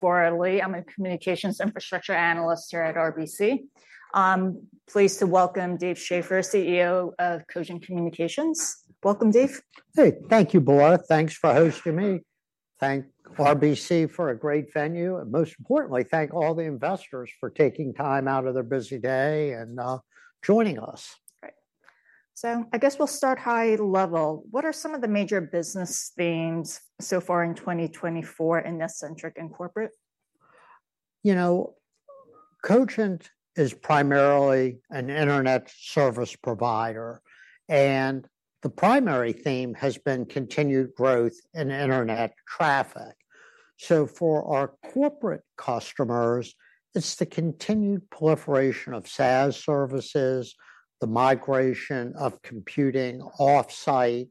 Bora Lee. I'm a Communications Infrastructure Analyst here at RBC. I'm pleased to welcome Dave Schaeffer, CEO of Cogent Communications. Welcome, Dave. Hey, thank you, Bora. Thanks for hosting me. Thank RBC for a great venue, and most importantly, thank all the investors for taking time out of their busy day and joining us. Great. So I guess we'll start high level. What are some of the major business themes so far in 2024 in NetCentric and corporate? You know, Cogent is primarily an internet service provider, and the primary theme has been continued growth in internet traffic. So for our corporate customers, it's the continued proliferation of SaaS services, the migration of computing off-site,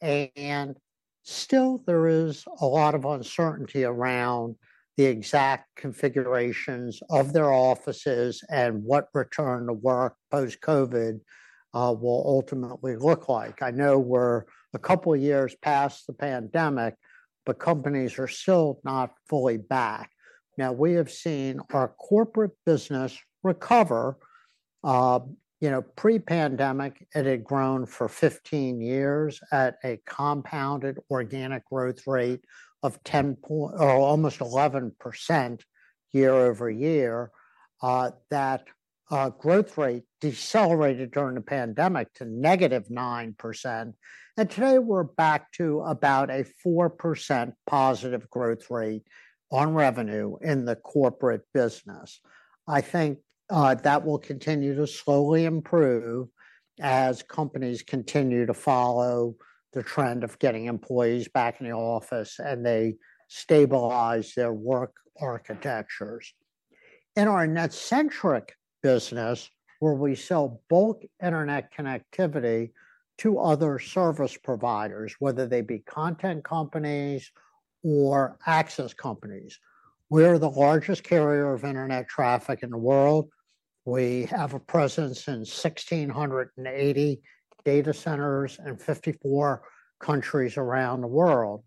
and still there is a lot of uncertainty around the exact configurations of their offices and what return to work post-COVID, will ultimately look like. I know we're a couple of years past the pandemic, but companies are still not fully back. Now, we have seen our corporate business recover. You know, pre-pandemic, it had grown for fifteen years at a compounded organic growth rate of 10-point, or almost 11% year over year. That, growth rate decelerated during the pandemic to -9%, and today we're back to about a 4% positive growth rate on revenue in the corporate business. I think, that will continue to slowly improve as companies continue to follow the trend of getting employees back in the office, and they stabilize their work architectures. In our NetCentric business, where we sell bulk internet connectivity to other service providers, whether they be content companies or access companies. We're the largest carrier of internet traffic in the world. We have a presence in 1,680 data centers and 54 countries around the world,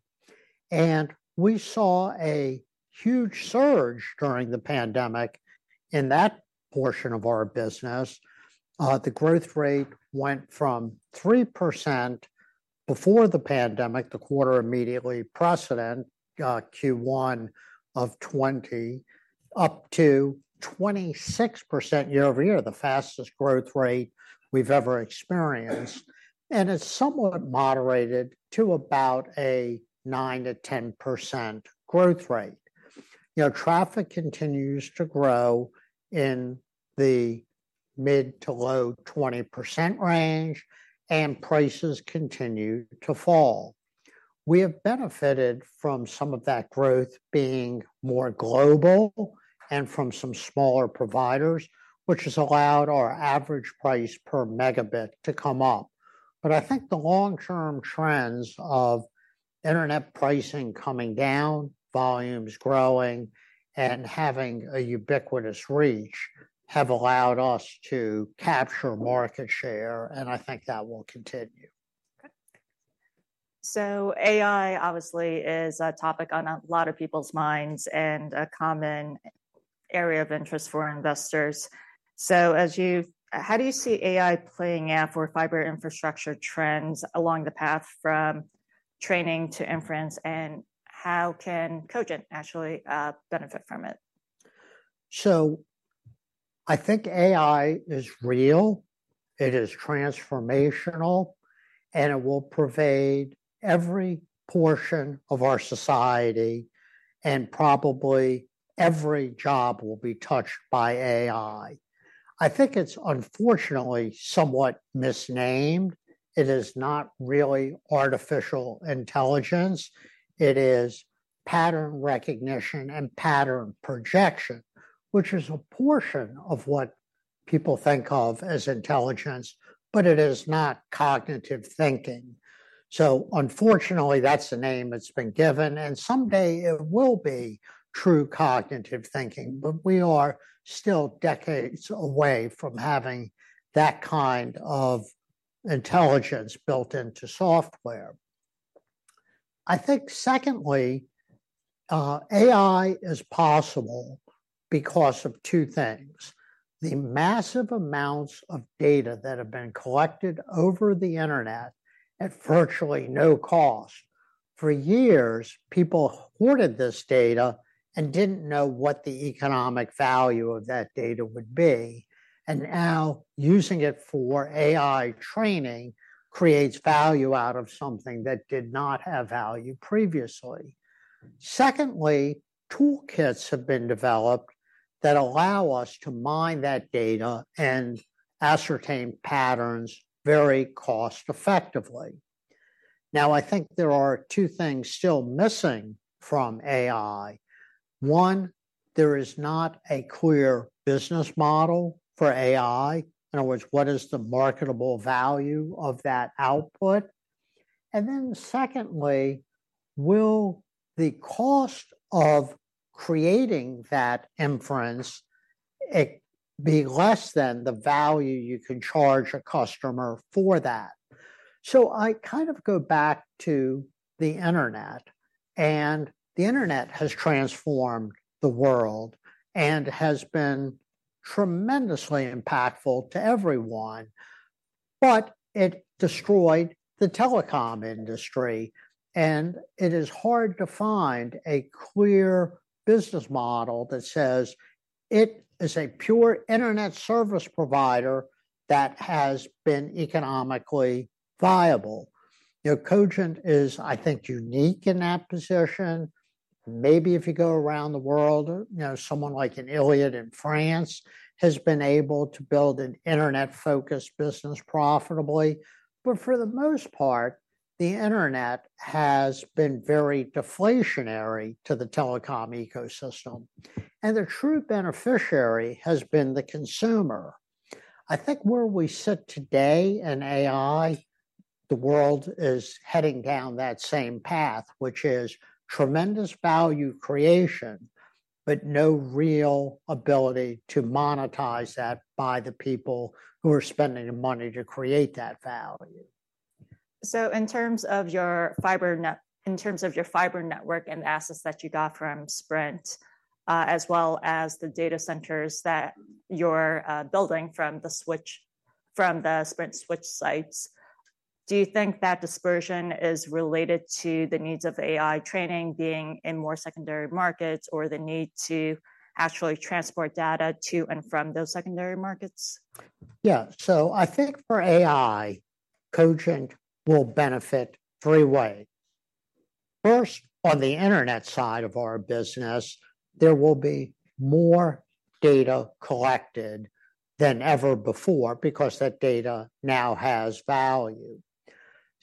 and we saw a huge surge during the pandemic in that portion of our business. The growth rate went from 3% before the pandemic, the quarter immediately precedent, Q1 of 2020, up to 26% year-over-year, the fastest growth rate we've ever experienced, and it's somewhat moderated to about a 9%-10% growth rate. You know, traffic continues to grow in the mid- to low-20% range, and prices continue to fall. We have benefited from some of that growth being more global and from some smaller providers, which has allowed our average price per megabit to come up. But I think the long-term trends of internet pricing coming down, volumes growing, and having a ubiquitous reach, have allowed us to capture market share, and I think that will continue. Okay. So AI obviously is a topic on a lot of people's minds and a common area of interest for investors. So how do you see AI playing out for fiber infrastructure trends along the path from training to inference, and how can Cogent actually benefit from it? So I think AI is real, it is transformational, and it will pervade every portion of our society, and probably every job will be touched by AI. I think it's unfortunately somewhat misnamed. It is not really artificial intelligence, it is pattern recognition and pattern projection, which is a portion of what people think of as intelligence, but it is not cognitive thinking. So unfortunately, that's the name it's been given, and someday it will be true cognitive thinking, but we are still decades away from having that kind of intelligence built into software. I think secondly, AI is possible because of two things: the massive amounts of data that have been collected over the Internet at virtually no cost. For years, people hoarded this data and didn't know what the economic value of that data would be, and now using it for AI training creates value out of something that did not have value previously. Secondly, toolkits have been developed that allow us to mine that data and ascertain patterns very cost-effectively. Now, I think there are two things still missing from AI. One, there is not a clear business model for AI. In which, what is the marketable value of that output? And then secondly, will the cost of creating that inference be less than the value you can charge a customer for that? So I kind of go back to the internet, and the internet has transformed the world and has been tremendously impactful to everyone, but it destroyed the telecom industry, and it is hard to find a clear business model that says it is a pure internet service provider that has been economically viable. You know, Cogent is, I think, unique in that position. Maybe if you go around the world, you know, someone like an Iliad in France has been able to build an internet-focused business profitably, but for the most part, the internet has been very deflationary to the telecom ecosystem, and the true beneficiary has been the consumer. I think where we sit today in AI, the world is heading down that same path, which is tremendous value creation, but no real ability to monetize that by the people who are spending the money to create that value. So in terms of your fiber, in terms of your network and assets that you got from Sprint, as well as the data centers that you're building from the switch, from the Sprint switch sites, do you think that dispersion is related to the needs of AI training being in more secondary markets or the need to actually transport data to and from those secondary markets? Yeah. So I think for AI, Cogent will benefit three ways. First, on the internet side of our business, there will be more data collected than ever before because that data now has value.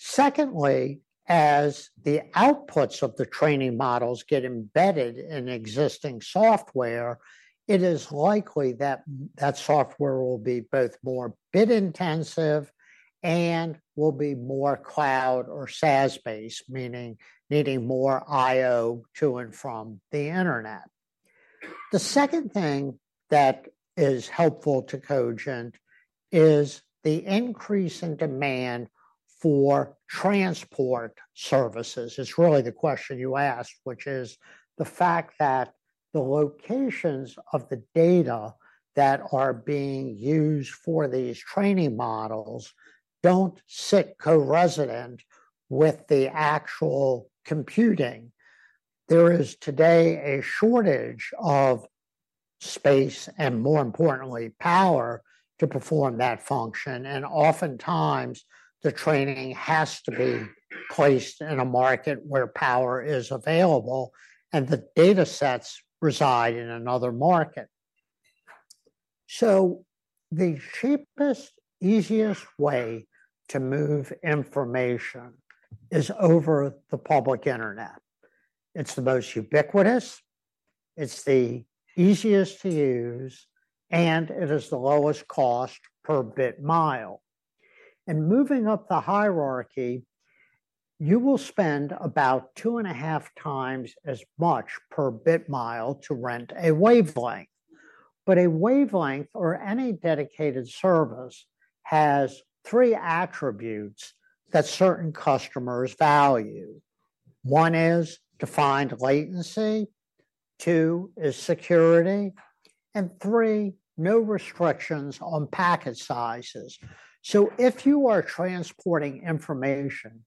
Secondly, as the outputs of the training models get embedded in existing software, it is likely that that software will be both more bit intensive and will be more Cloud or SaaS-based, meaning needing more IO to and from the internet. The second thing that is helpful to Cogent is the increase in demand for transport services. It's really the question you asked, which is the fact that the locations of the data that are being used for these training models don't sit co-resident with the actual computing. There is today a shortage of space and, more importantly, power to perform that function, and oftentimes, the training has to be placed in a market where power is available and the datasets reside in another market. So the cheapest, easiest way to move information is over the public internet. It's the most ubiquitous, it's the easiest to use, and it is the lowest cost per bit mile. And moving up the hierarchy, you will spend about two and a half times as much per bit mile to rent a wavelength, but a wavelength or any dedicated service has three attributes that certain customers value. One is defined latency, two is security, and three, no restrictions on packet sizes. So if you are transporting information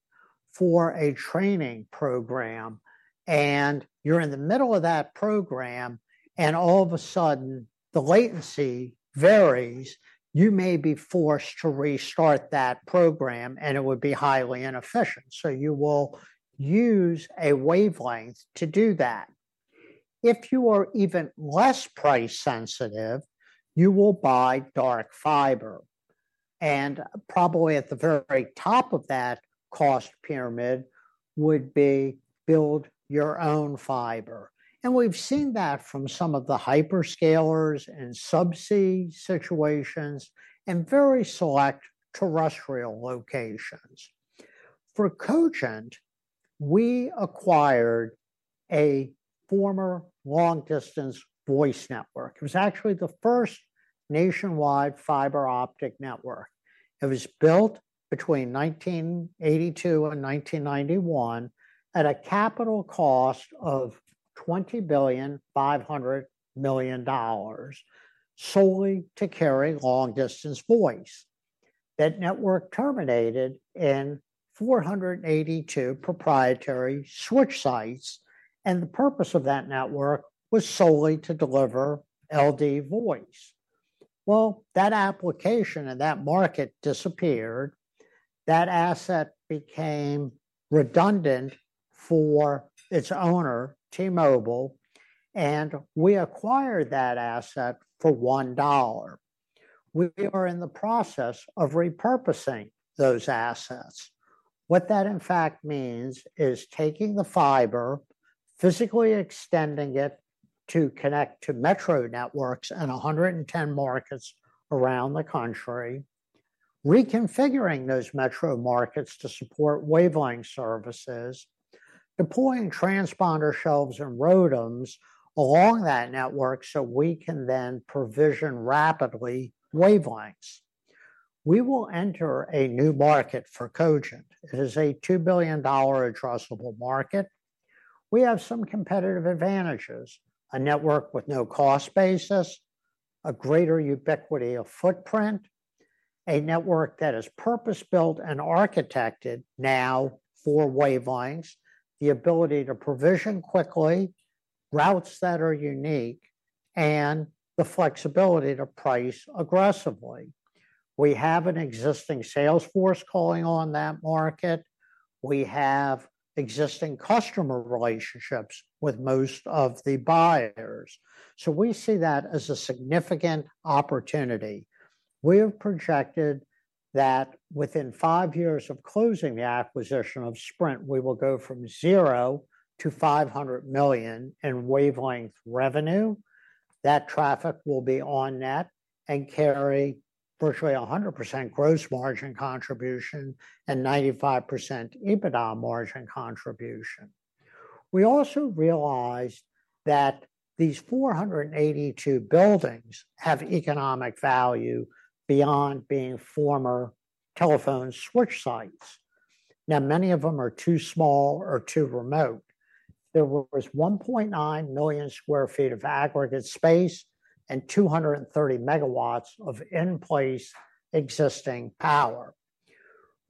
for a training program, and you're in the middle of that program, and all of a sudden, the latency varies, you may be forced to restart that program, and it would be highly inefficient. So you will use a wavelength to do that. If you are even less price sensitive, you will buy dark fiber, and probably at the very top of that cost pyramid would be build your own fiber. And we've seen that from some of the hyperscalers and subsea situations and very select terrestrial locations. For Cogent, we acquired a former long-distance voice network. It was actually the first nationwide fiber optic network. It was built between 1982 and 1991 at a capital cost of $20.5 billion, solely to carry long-distance voice. That network terminated in 482 proprietary switch sites, and the purpose of that network was solely to deliver LD voice. Well, that application and that market disappeared. That asset became redundant for its owner, T-Mobile, and we acquired that asset for $1. We are in the process of repurposing those assets. What that, in fact, means is taking the fiber, physically extending it to connect to metro networks in 110 markets around the country, reconfiguring those metro markets to support wavelength services, deploying transponder shelves and ROADMs along that network, so we can then provision rapidly wavelengths. We will enter a new market for Cogent. It is a $2 billion addressable market. We have some competitive advantages: a network with no cost basis, a greater ubiquity of footprint, a network that is purpose-built and architected now for wavelengths, the ability to provision quickly, routes that are unique, and the flexibility to price aggressively. We have an existing sales force calling on that market. We have existing customer relationships with most of the buyers. So we see that as a significant opportunity. We have projected that within five years of closing the acquisition of Sprint, we will go from zero to 500 million in wavelength revenue. That traffic will be on-net and carry virtually 100% gross margin contribution and 95% EBITDA margin contribution. We also realized that these 482 buildings have economic value beyond being former telephone switch sites. Now, many of them are too small or too remote. There was 1.9 million sq ft of aggregate space and 230 megawatts of in-place existing power.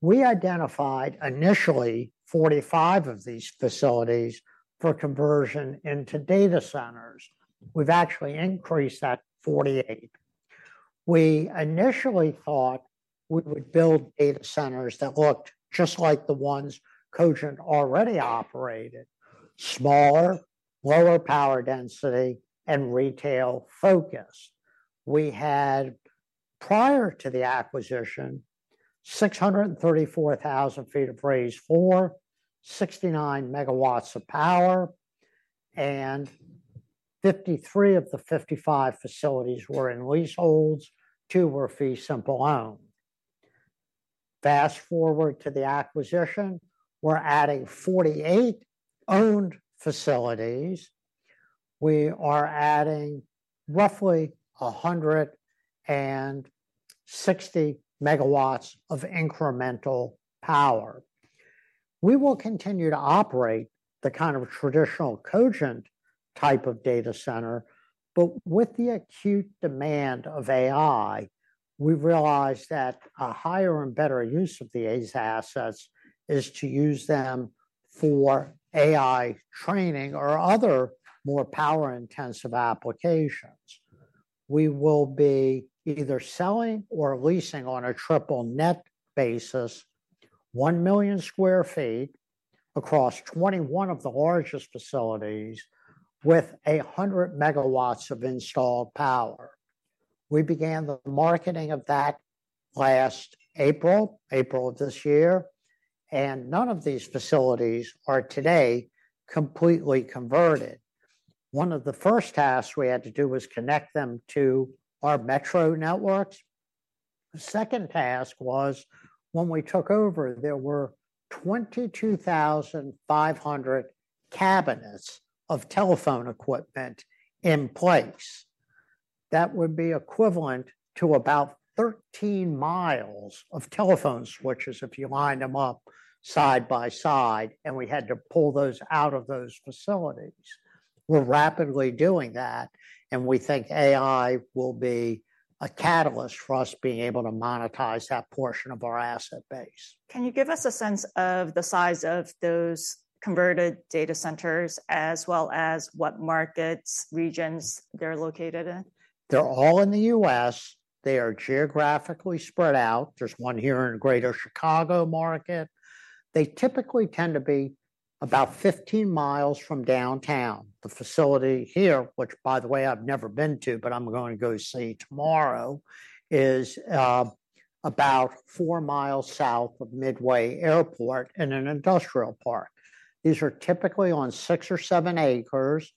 We identified initially 45 of these facilities for conversion into data centers. We've actually increased that to 48. We initially thought we would build data centers that looked just like the ones Cogent already operated: smaller, lower power density, and retail-focused. We had, prior to the acquisition, 634,000 sq ft of raised floor, 69 megawatts of power, and 53 of the 55 facilities were in leaseholds, two were fee simple owned. Fast-forward to the acquisition, we're adding 48 owned facilities. We are adding roughly 160 megawatts of incremental power. We will continue to operate the kind of traditional Cogent type of data center, but with the acute demand of AI, we've realized that a higher and better use of these assets is to use them for AI training or other more power-intensive applications. We will be either selling or leasing on a triple net basis, one million sq ft across 21 of the largest facilities with 100 megawatts of installed power. We began the marketing of that last April, April of this year, and none of these facilities are today completely converted. One of the first tasks we had to do was connect them to our metro networks. The second task was when we took over, there were 22,500 cabinets of telephone equipment in place. That would be equivalent to about thirteen miles of telephone switches if you lined them up side by side, and we had to pull those out of those facilities. We're rapidly doing that, and we think AI will be a catalyst for us being able to monetize that portion of our asset base. Can you give us a sense of the size of those converted data centers, as well as what markets, regions they're located in? They're all in the U.S. They are geographically spread out. There's one here in the Greater Chicago market. They typically tend to be about 15 miles from downtown. The facility here, which by the way, I've never been to, but I'm going to go see tomorrow, is about 4 miles south of Midway Airport in an industrial park. These are typically on 6 or 7 acres.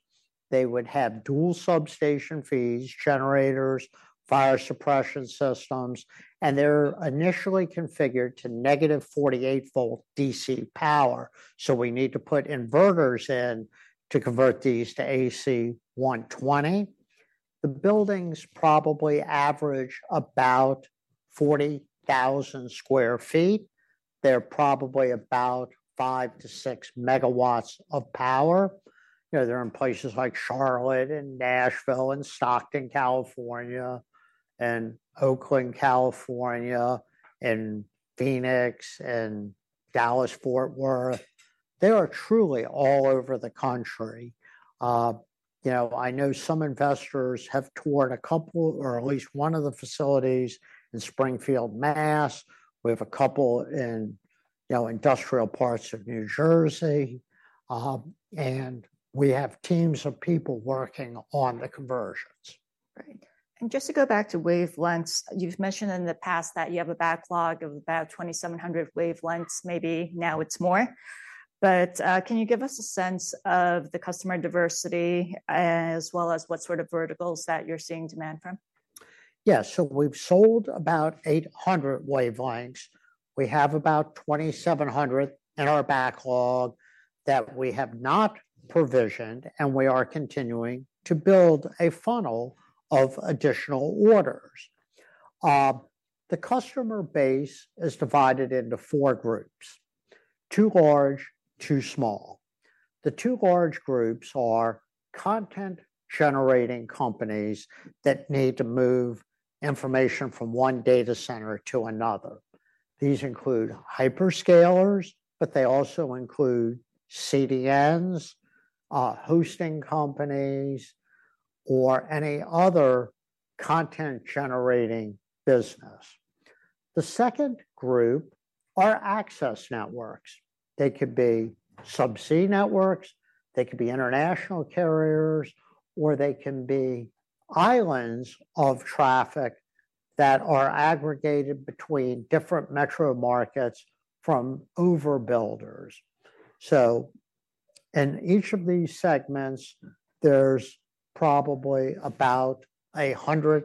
They would have dual substation feeds, generators, fire suppression systems, and they're initially configured to negative 48-volt DC power, so we need to put inverters in to convert these to AC 120. The buildings probably average about 40,000 sq ft. They're probably about 5-6 megawatts of power. You know, they're in places like Charlotte and Nashville and Stockton, California, and Oakland, California, and Phoenix and Dallas-Fort Worth. They are truly all over the country. You know, I know some investors have toured a couple or at least one of the facilities in Springfield, Mass. We have a couple in, you know, industrial parts of New Jersey, and we have teams of people working on the conversions. Great. And just to go back to wavelengths, you've mentioned in the past that you have a backlog of about two thousand seven hundred wavelengths, maybe now it's more. But, can you give us a sense of the customer diversity as well as what sort of verticals that you're seeing demand from? Yeah, so we've sold about 800 wavelengths. We have about 2,700 in our backlog that we have not provisioned, and we are continuing to build a funnel of additional orders. The customer base is divided into four groups: two large, two small. The two large groups are content-generating companies that need to move information from one data center to another. These include hyperscalers, but they also include CDNs, hosting companies, or any other content-generating business. The second group are access networks. They could be subsea networks, they could be international carriers, or they can be islands of traffic that are aggregated between different metro markets from overbuilders. So in each of these segments, there's probably about a 100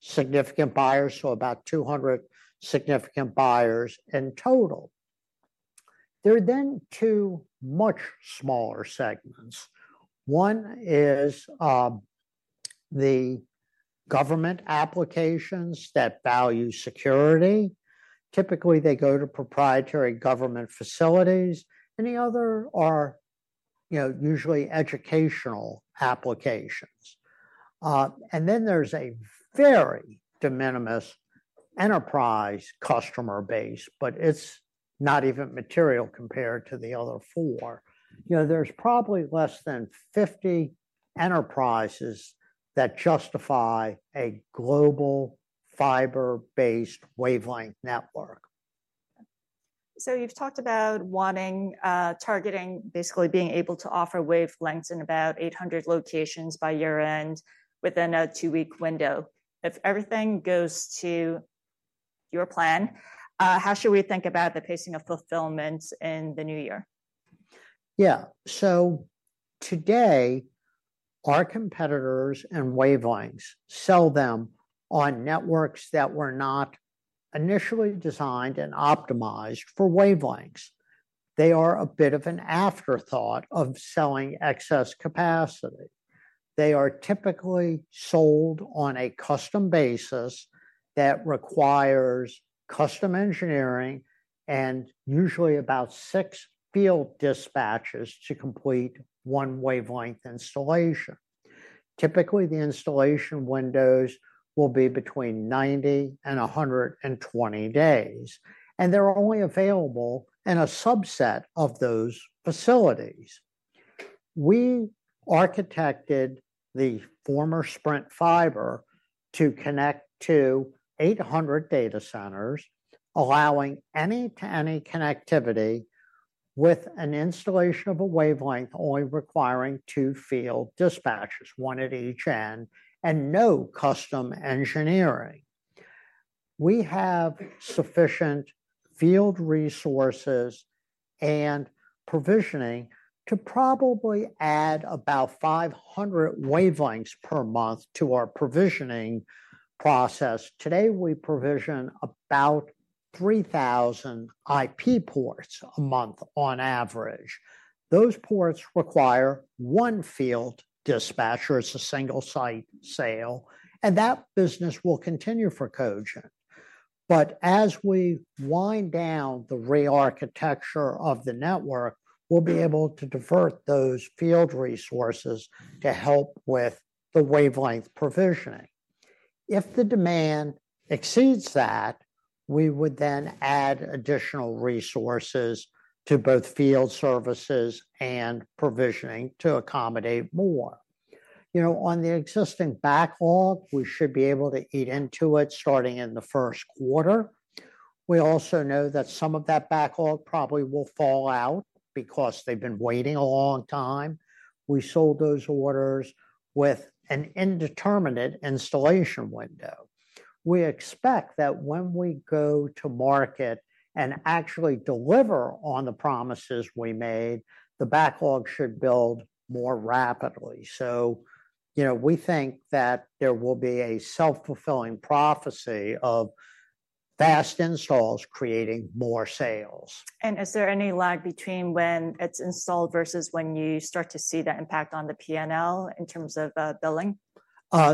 significant buyers, so about 200 significant buyers in total. There are then two much smaller segments. One is the government applications that value security. Typically, they go to proprietary government facilities, and the other are, you know, usually educational applications. And then there's a very de minimis enterprise customer base, but it's not even material compared to the other four. You know, there's probably less than 50 enterprises that justify a global fiber-based wavelength network. So you've talked about wanting, targeting, basically being able to offer wavelengths in about eight hundred locations by year-end within a two-week window. If everything goes to your plan, how should we think about the pacing of fulfillment in the new year? Yeah. So today, our competitors in wavelengths sell them on networks that were not initially designed and optimized for wavelengths. They are a bit of an afterthought of selling excess capacity. They are typically sold on a custom basis that requires custom engineering and usually about six field dispatches to complete one wavelength installation. Typically, the installation windows will be between 90 and 120 days, and they're only available in a subset of those facilities. We architected the former Sprint fiber to connect to 800 data centers, allowing any-to-any connectivity with an installation of a wavelength only requiring two field dispatches, one at each end, and no custom engineering. We have sufficient field resources and provisioning to probably add about 500 wavelengths per month to our provisioning process. Today, we provision about 3,000 IP ports a month on average. Those ports require one field dispatcher. It's a single-site sale, and that business will continue for Cogent. But as we wind down the rearchitecture of the network, we'll be able to divert those field resources to help with the wavelength provisioning. If the demand exceeds that, we would then add additional resources to both field services and provisioning to accommodate more. You know, on the existing backlog, we should be able to eat into it starting in the first quarter. We also know that some of that backlog probably will fall out because they've been waiting a long time. We sold those orders with an indeterminate installation window. We expect that when we go to market and actually deliver on the promises we made, the backlog should build more rapidly. So, you know, we think that there will be a self-fulfilling prophecy of fast installs creating more sales. And is there any lag between when it's installed versus when you start to see the impact on the P&L in terms of billing?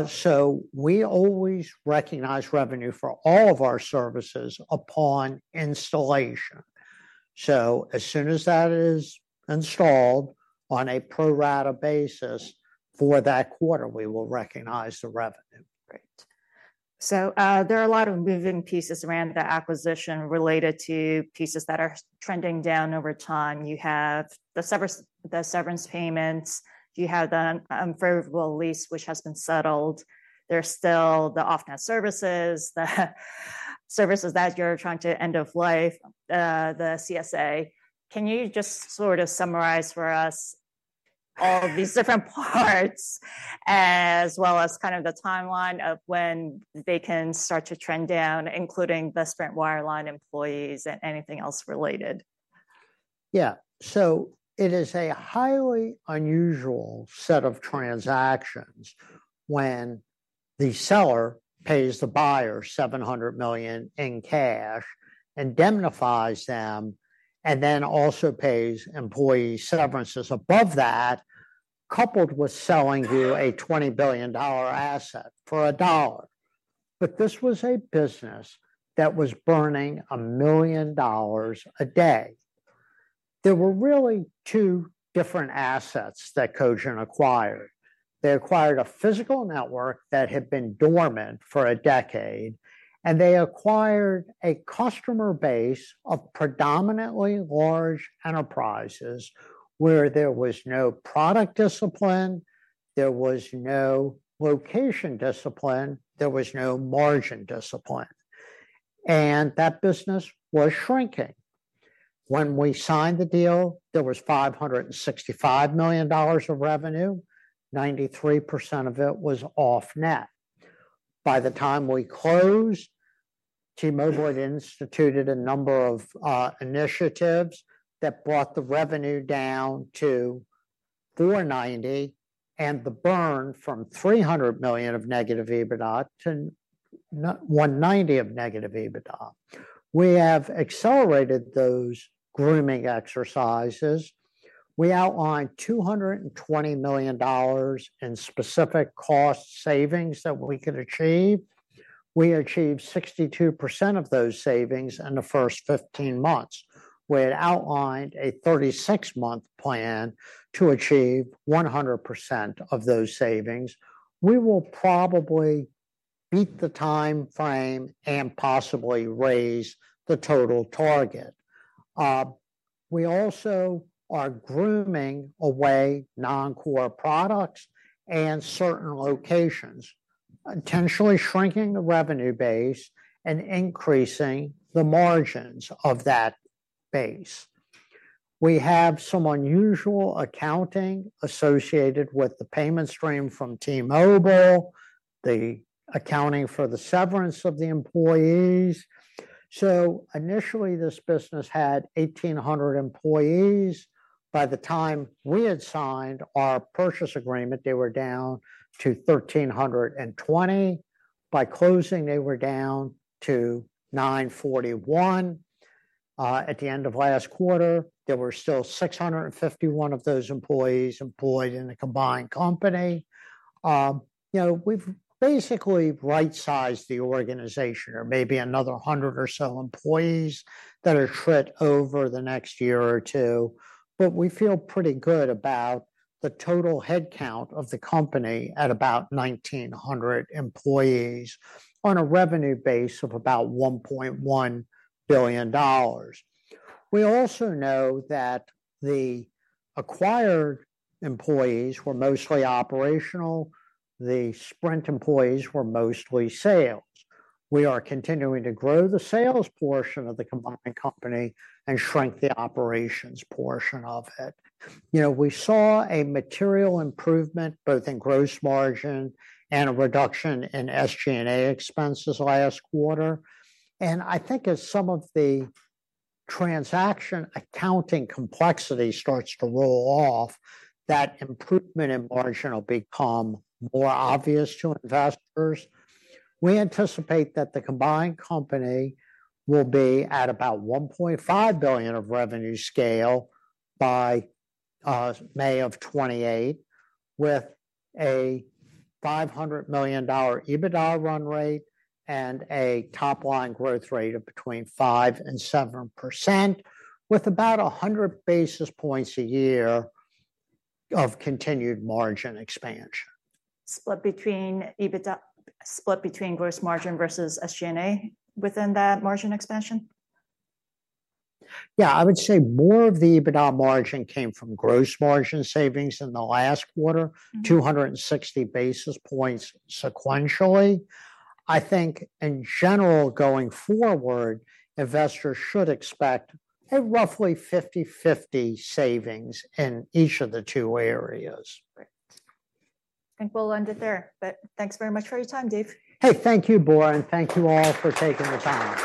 So we always recognize revenue for all of our services upon installation. So as soon as that is installed on a pro rata basis for that quarter, we will recognize the revenue. Great. So, there are a lot of moving pieces around the acquisition related to pieces that are trending down over time. You have the severance payments, you have the favorable lease, which has been settled. There's still the off-net services, the services that you're trying to end of life, the CSA. Can you just sort of summarize for us all these different parts, as well as kind of the timeline of when they can start to trend down, including the Sprint wireline employees and anything else related? Yeah, so it is a highly unusual set of transactions when the seller pays the buyer $700 million in cash, indemnifies them, and then also pays employee severances above that, coupled with selling you a $20 billion asset for a dollar. But this was a business that was burning $1 million a day. There were really two different assets that Cogent acquired. They acquired a physical network that had been dormant for a decade, and they acquired a customer base of predominantly large enterprises where there was no product discipline, there was no location discipline, there was no margin discipline, and that business was shrinking. When we signed the deal, there was $565 million of revenue, 93% of it was off-net. By the time we closed, T-Mobile had instituted a number of initiatives that brought the revenue down to $490 million, and the burn from $300 million of negative EBITDA to negative $190 million of negative EBITDA. We have accelerated those grooming exercises. We outlined $220 million in specific cost savings that we could achieve. We achieved 62% of those savings in the first 15 months. We had outlined a 36-month plan to achieve 100% of those savings. We will probably beat the time frame and possibly raise the total target. We also are grooming away non-core products and certain locations, intentionally shrinking the revenue base and increasing the margins of that base. We have some unusual accounting associated with the payment stream from T-Mobile, the accounting for the severance of the employees. So initially, this business had 1,800 employees. By the time we had signed our purchase agreement, they were down to 1,320. By closing, they were down to 941. At the end of last quarter, there were still 651 of those employees employed in a combined company. You know, we've basically right-sized the organization, or maybe another 100 or so employees that are shed over the next year or two, but we feel pretty good about the total headcount of the company at about 1,900 employees on a revenue base of about $1.1 billion. We also know that the acquired employees were mostly operational, the Sprint employees were mostly sales. We are continuing to grow the sales portion of the combined company and shrink the operations portion of it. You know, we saw a material improvement, both in gross margin and a reduction in SG&A expenses last quarter. And I think as some of the transaction accounting complexity starts to roll off, that improvement in margin will become more obvious to investors. We anticipate that the combined company will be at about $1.5 billion of revenue scale by May of 2028, with a $500 million EBITDA run rate and a top-line growth rate of between 5% and 7%, with about 100 basis points a year of continued margin expansion. Split between EBITDA: split between gross margin versus SG&A within that margin expansion? Yeah, I would say more of the EBITDA margin came from gross margin savings in the last quarter, 260 basis points sequentially. I think in general, going forward, investors should expect a roughly 50-50 savings in each of the two areas. Great. I think we'll end it there, but thanks very much for your time, Dave. Hey, thank you, Bora, and thank you all for taking the time.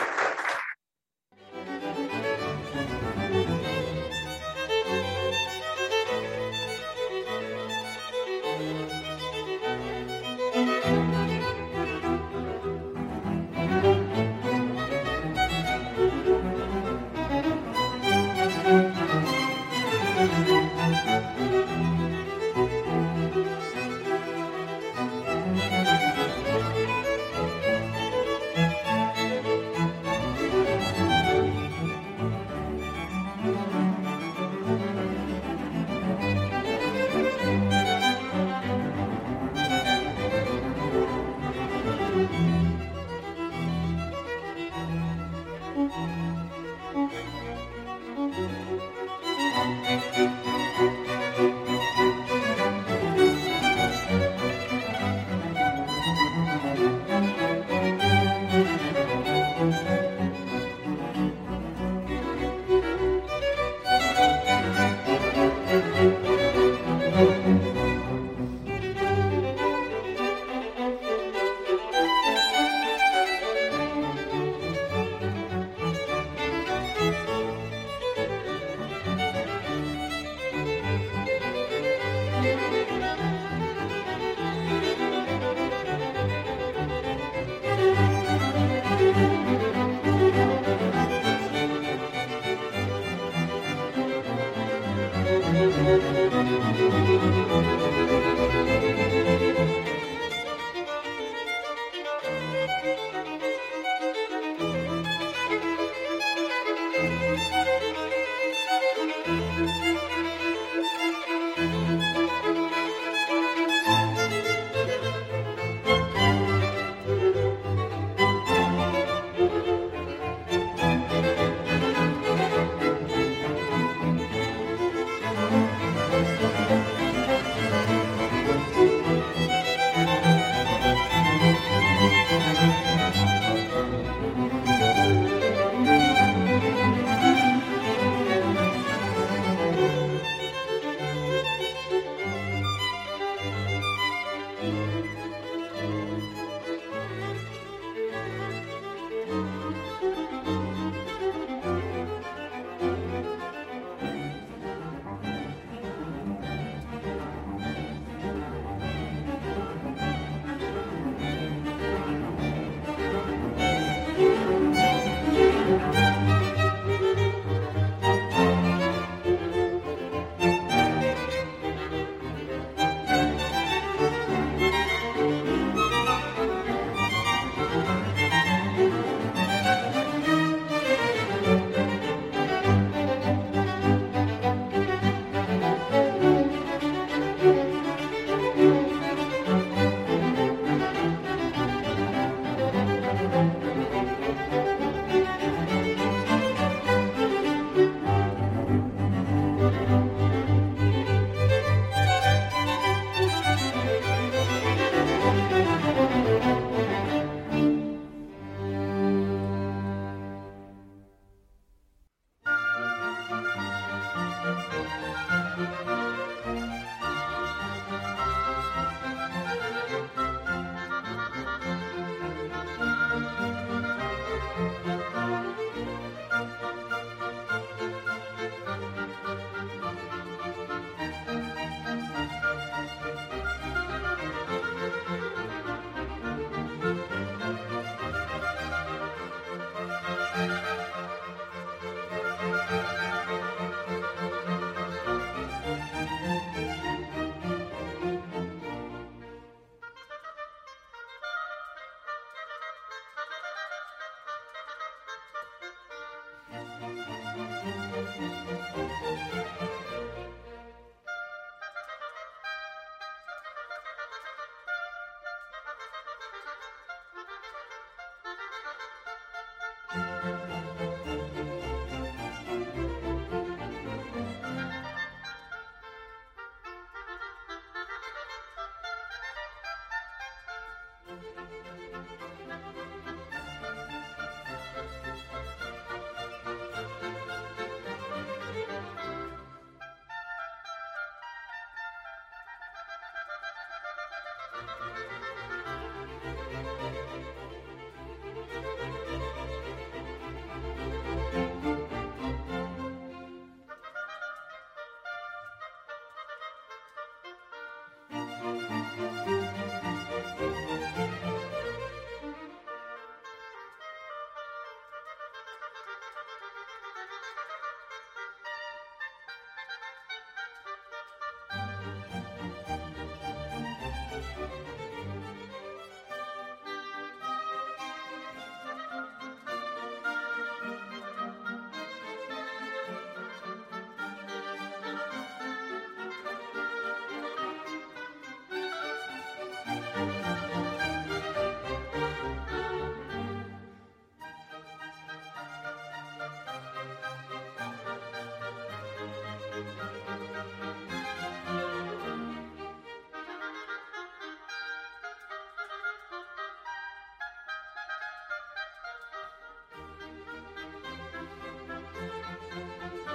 Good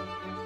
morning, and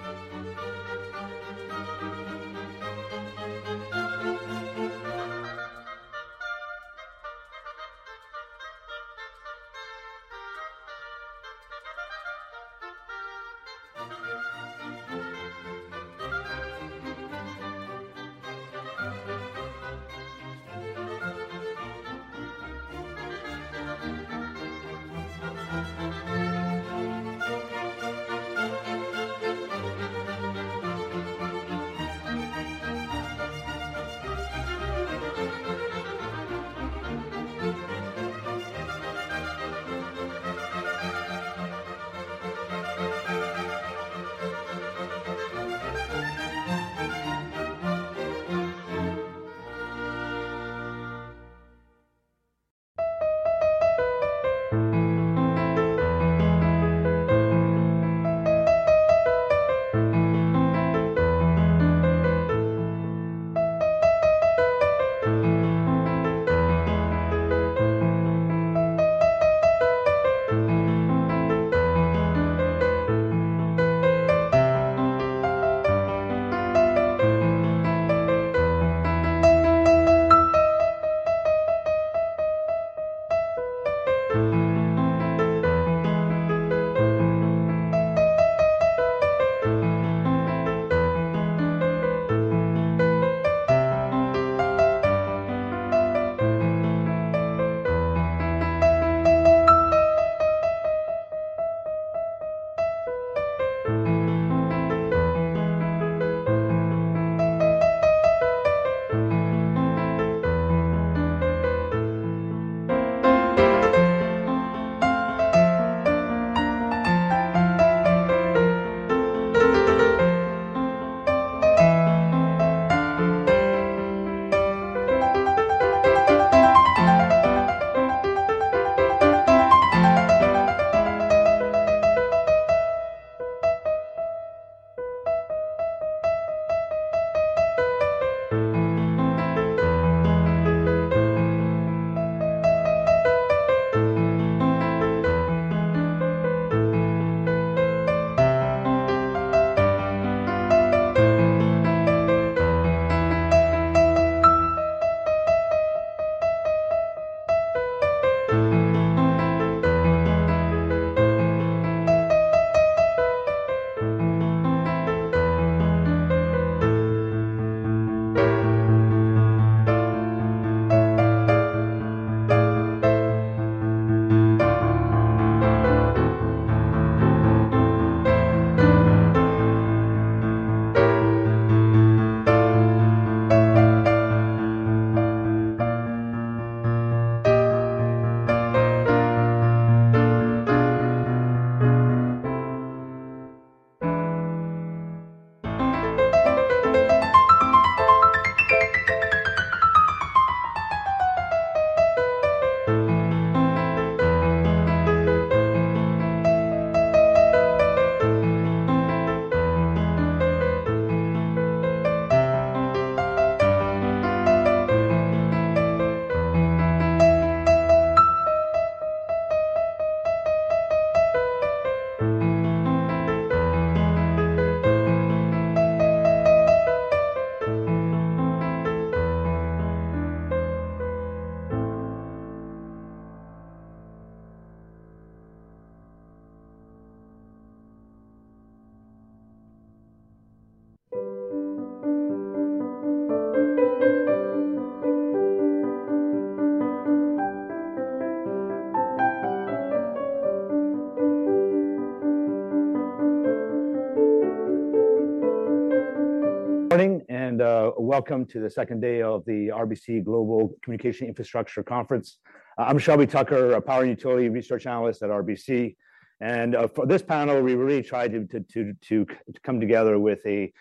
welcome to the second day of the RBC Global Communication Infrastructure Conference. I'm Shelby Tucker, a power and utility research analyst at RBC, and for this panel, we really tried to to to come together with the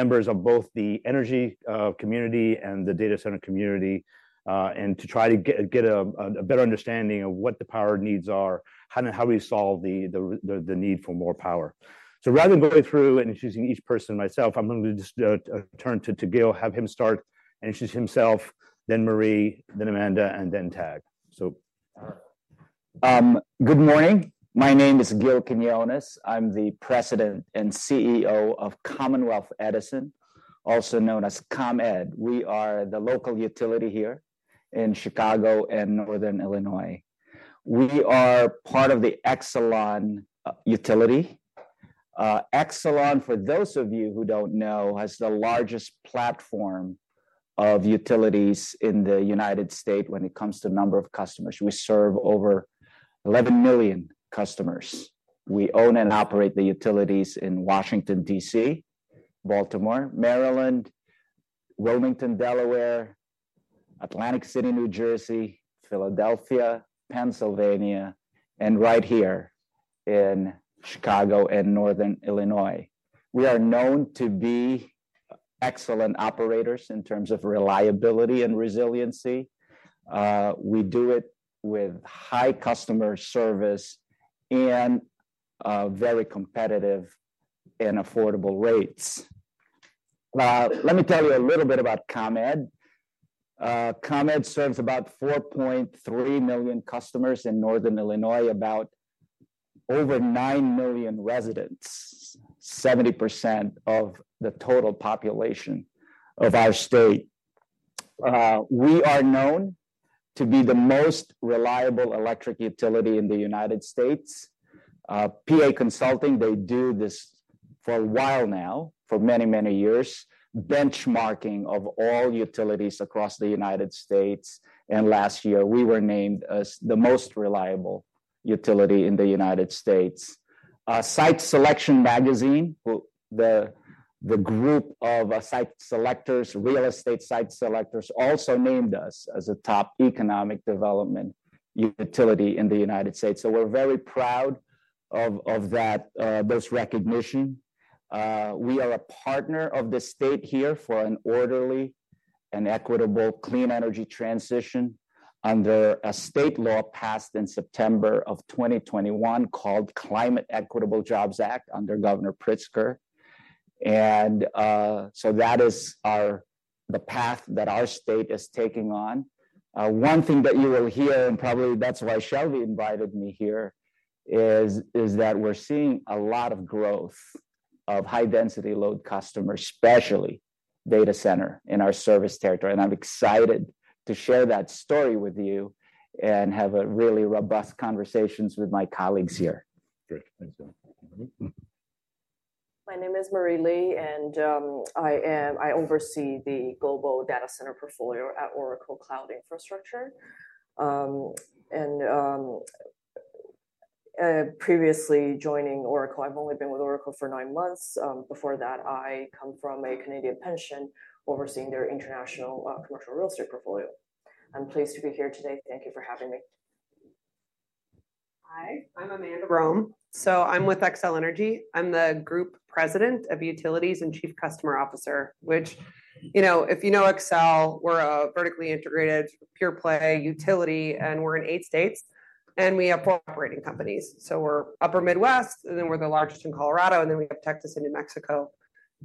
members of both the energy community and the data center community, and to try to get a better understanding of what the power needs are, how and how we solve the need for more power, so rather than go through introducing each person myself, I'm going to just turn to Gil, have him start, introduce himself, then Marie, then Amanda, and then Tag. So Good morning. My name is Gil Quiniones. I'm the President and CEO of Commonwealth Edison, also known as ComEd. We are the local utility here in Chicago and Northern Illinois. We are part of the Exelon utility. Exelon, for those of you who don't know, has the largest platform of utilities in the United States when it comes to number of customers. We serve over eleven million customers. We own and operate the utilities in Washington, DC, Baltimore, Maryland, Wilmington, Delaware, Atlantic City, New Jersey, Philadelphia, Pennsylvania, and right here in Chicago and Northern Illinois. We are known to be excellent operators in terms of reliability and resiliency. We do it with high customer service and very competitive and affordable rates. Let me tell you a little bit about ComEd. ComEd serves about 4.3 million customers in Northern Illinois, about over 9 million residents, 70% of the total population of our state. We are known to be the most reliable electric utility in the United States. PA Consulting, they do this for a while now, for many, many years, benchmarking of all utilities across the United States, and last year, we were named as the most reliable utility in the United States. Site Selection Magazine, the group of site selectors, real estate site selectors, also named us as a top economic development utility in the United States, so we're very proud of, of that, this recognition. We are a partner of the state here for an orderly and equitable clean energy transition under a state law passed in September of twenty twenty-one called Climate Equitable Jobs Act under Governor Pritzker, and so that is our the path that our state is taking on. One thing that you will hear, and probably that's why Shelby invited me here, is that we're seeing a lot of growth-... of high density load customers, especially data centers in our service territory, and I'm excited to share that story with you and have a really robust conversation with my colleagues here. Great, thanks. My name is Marie Lee, and I oversee the global data center portfolio at Oracle Cloud Infrastructure. Previously joining Oracle, I've only been with Oracle for nine months. Before that, I come from a Canadian pension, overseeing their international commercial real estate portfolio. I'm pleased to be here today. Thank you for having me. Hi, I'm Amanda Rome. So I'm with Xcel Energy. I'm the Group President of Utilities and Chief Customer Officer, which, you know, if you know Xcel, we're a vertically integrated, pure-play utility, and we're in eight states, and we have four operating companies. So we're Upper Midwest, and then we're the largest in Colorado, and then we have Texas and New Mexico.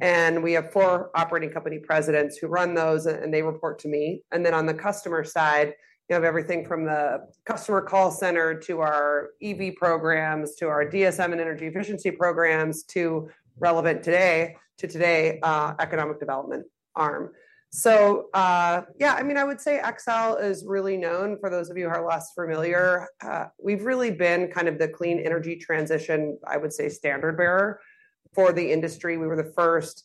And we have four operating company presidents who run those, and they report to me. On the customer side, you have everything from the customer call center to our EV programs, to our DSM and energy efficiency programs, to relevant today, today economic development arm. Yeah, I mean, I would say Xcel is really known, for those of you who are less familiar, we've really been kind of the clean energy transition, I would say, standard bearer for the industry. We were the first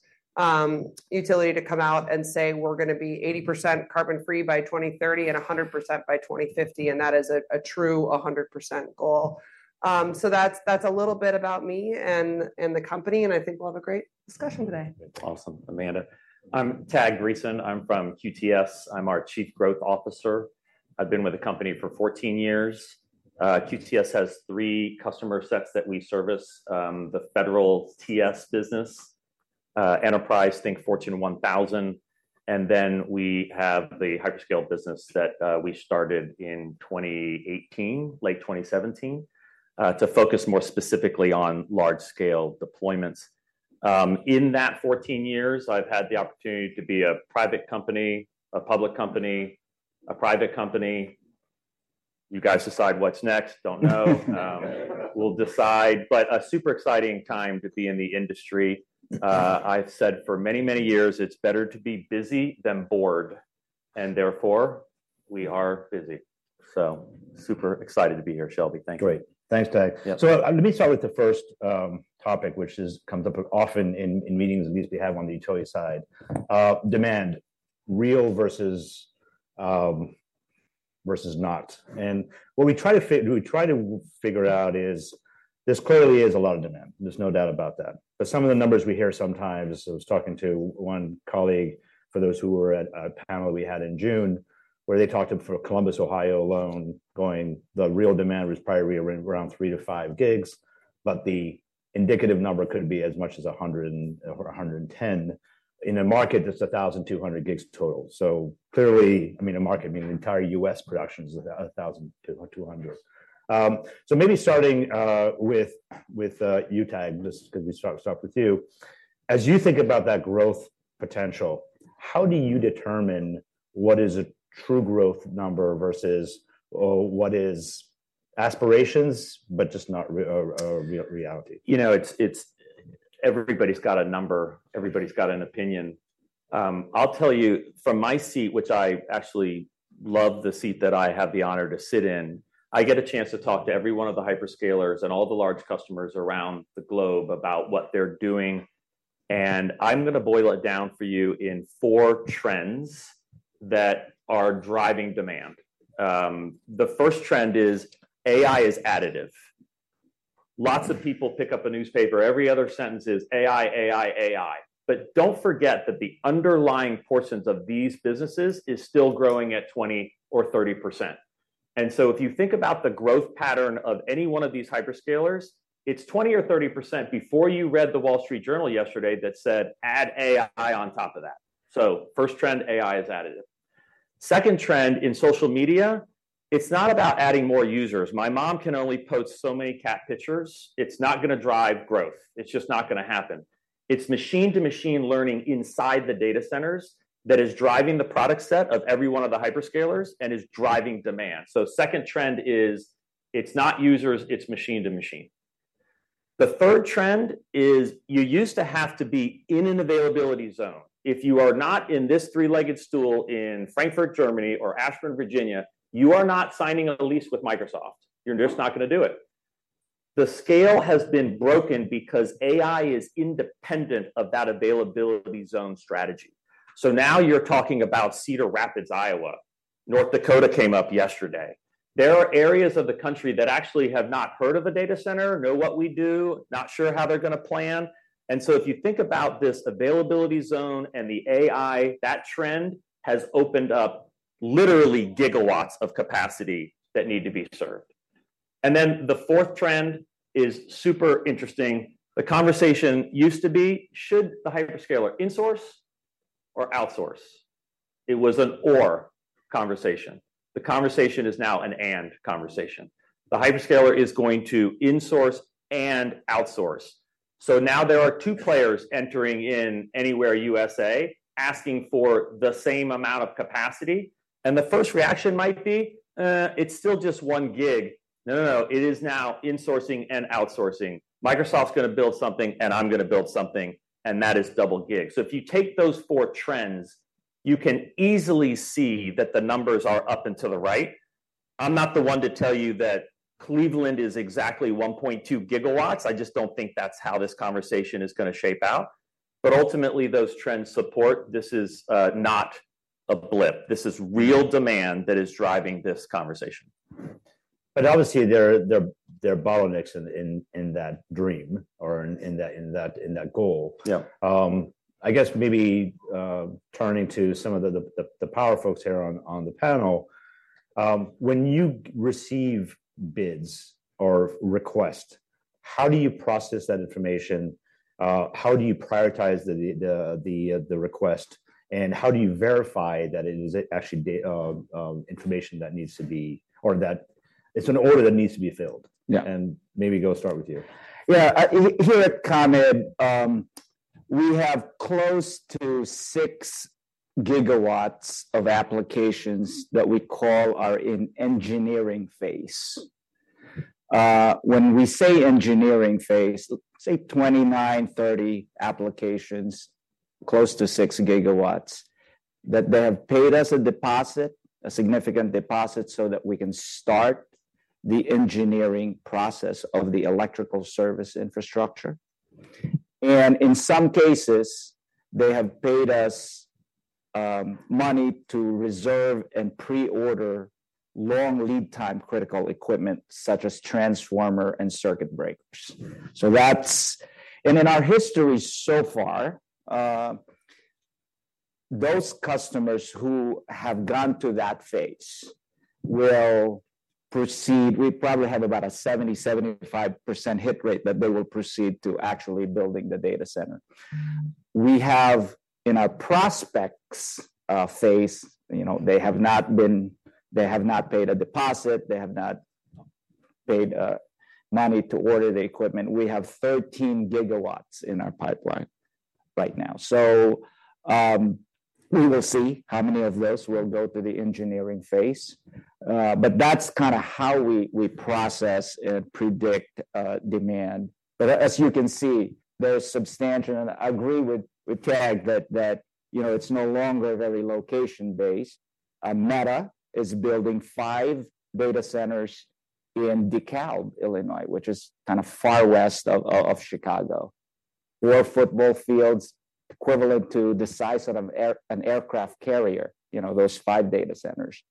utility to come out and say: We're gonna be 80% carbon-free by 2030 and 100% by 2050, and that is a true 100% goal, so that's a little bit about me and the company, and I think we'll have a great discussion today. Awesome, Amanda. I'm Tag Greason. I'm from QTS. I'm our Chief Growth Officer. I've been with the company for 14 years. QTS has three customer sets that we service, the federal TS business, enterprise, think Fortune 1000, and then we have the hyperscale business that we started in 2018, late 2017, to focus more specifically on large-scale deployments. In that 14 years, I've had the opportunity to be a private company, a public company, a private company. You guys decide what's next. Don't know. We'll decide, but a super exciting time to be in the industry. I've said for many, many years, it's better to be busy than bored, and therefore, we are busy. So super excited to be here, Shelby. Thank you. Great. Thanks, Tag. Yeah. Let me start with the first topic, which comes up often in meetings we usually have on the utility side, demand, real versus, versus not. And what we try to figure out is there's clearly a lot of demand, there's no doubt about that. But some of the numbers we hear sometimes, I was talking to one colleague, for those who were at a panel we had in June, where they talked for Columbus, Ohio, alone, going, the real demand was probably around 3-5 gigs, but the indicative number could be as much as 100 or 110 in a market that's 1,200 gigs total. Clearly, I mean, a market, I mean, the entire U.S. production is 1,200. Maybe starting with with you, Tag, just 'cause we start with you. As you think about that growth potential, how do you determine what is a true growth number versus or what is aspirations, but just not a real reality? You know, it's it's everybody's got a number, everybody's got an opinion. I'll tell you from my seat, which I actually love the seat that I have the honor to sit in, I get a chance to talk to every one of the hyperscalers and all the large customers around the globe about what they're doing, and I'm gonna boil it down for you in four trends that are driving demand. The first trend is AI is additive. Lots of people pick up a newspaper, every other sentence is AI, AI, AI. But don't forget that the underlying portions of these businesses is still growing at 20% or 30%. And so if you think about the growth pattern of any one of these hyperscalers, it's 20% or 30% before you read The Wall Street Journal yesterday that said, "Add AI on top of that." So first trend, AI is additive. Second trend in social media, it's not about adding more users. My mom can only post so many cat pictures. It's not gonna drive growth. It's just not gonna happen. It's machine-to-machine learning inside the data centers that is driving the product set of every one of the hyperscalers and is driving demand. So second trend is, it's not users, it's machine to machine. The third trend is you used to have to be in an availability zone. If you are not in this three-legged stool in Frankfurt, Germany, or Ashburn, Virginia, you are not signing a lease with Microsoft. You're just not gonna do it. The scale has been broken because AI is independent of that availability zone strategy. So now you're talking about Cedar Rapids, Iowa. North Dakota came up yesterday. There are areas of the country that actually have not heard of a data center, know what we do, not sure how they're gonna plan. And so if you think about this availability zone and the AI, that trend has opened up literally gigawatts of capacity that need to be served. And then the fourth trend is super interesting. The conversation used to be, should the hyperscaler insource or outsource? It was an or conversation. The conversation is now an and conversation. The hyperscaler is going to insource and outsource. So now there are two players entering in anywhere USA, asking for the same amount of capacity, and the first reaction might be, "it's still just one gig." No, no, no, it is now insourcing and outsourcing. Microsoft's gonna build something, and I'm gonna build something, and that is double gig. So if you take those four trends, you can easily see that the numbers are up and to the right. I'm not the one to tell you that Cleveland is exactly 1.2 gigawatts. I just don't think that's how this conversation is gonna shape out. But ultimately, those trends support this is not a blip. This is real demand that is driving this conversation. But obviously, there are bottlenecks in that dream or, in that in that in that goal. Yeah. I guess maybe turning to some of the power folks here on the panel, when you receive bids or request, how do you process that information? How do you prioritize the request? And how do you verify that it is actually information that needs to be, or that it's an order that needs to be filled? Yeah. And maybe go start with you. Yeah, here at ComEd, we have close to six gigawatts of applications that we call our engineering phase. When we say engineering phase, say 29-30 applications, close to six gigawatts, that they have paid us a deposit, a significant deposit, so that we can start the engineering process of the electrical service infrastructure. And in some cases, they have paid us money to reserve and pre-order long lead time critical equipment, such as transformer and circuit breakers. So that's. And in our history so far, those customers who have gone through that phase will proceed. We probably have about a 70-75% hit rate that they will proceed to actually building the data center. We have in our prospects phase, you know, they have not paid a deposit, they have not paid money to order the equipment. We have 13 gigawatts in our pipeline right now. So, we will see how many of those will go through the engineering phase. But that's kinda how we process and predict demand. But as you can see, they're substantial, and I agree with Tag that that you know, it's no longer very location-based. Meta is building five data centers in DeKalb, Illinois, which is kind of far west of Chicago, where football fields equivalent to the size of an aircraft carrier, you know, those five data centers.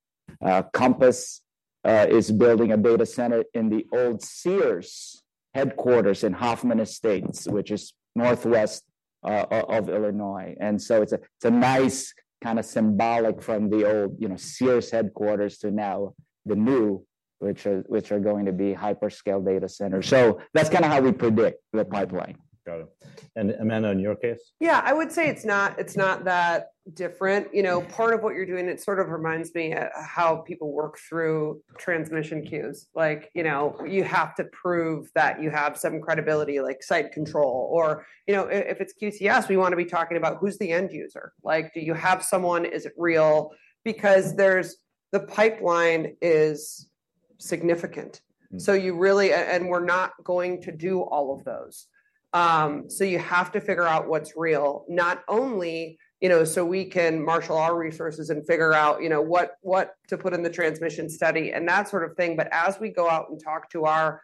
Compass is building a data center in the old Sears headquarters in Hoffman Estates, which is northwest of Illinois. And so it's a nice kind of symbolic from the old, you know, Sears headquarters to now the new, which are, which are going to be hyperscale data centers. So that's kinda how we predict the pipeline. Got it. And Amanda, in your case? Yeah, I would say it's not, it's not that different. You know, part of what you're doing, it sort of reminds me how people work through transmission queues. Like, you know, you have to prove that you have some credibility, like site control or, you know, if it's QTS, we want to be talking about who's the end user? Like, do you have someone? Is it real? Because there's the pipeline is significant. Mm. So you really and we're not going to do all of those. So you have to figure out what's real, not only, you know, so we can marshal our resources and figure out, you know, what what to put in the transmission study and that sort of thing, but as we go out and talk to our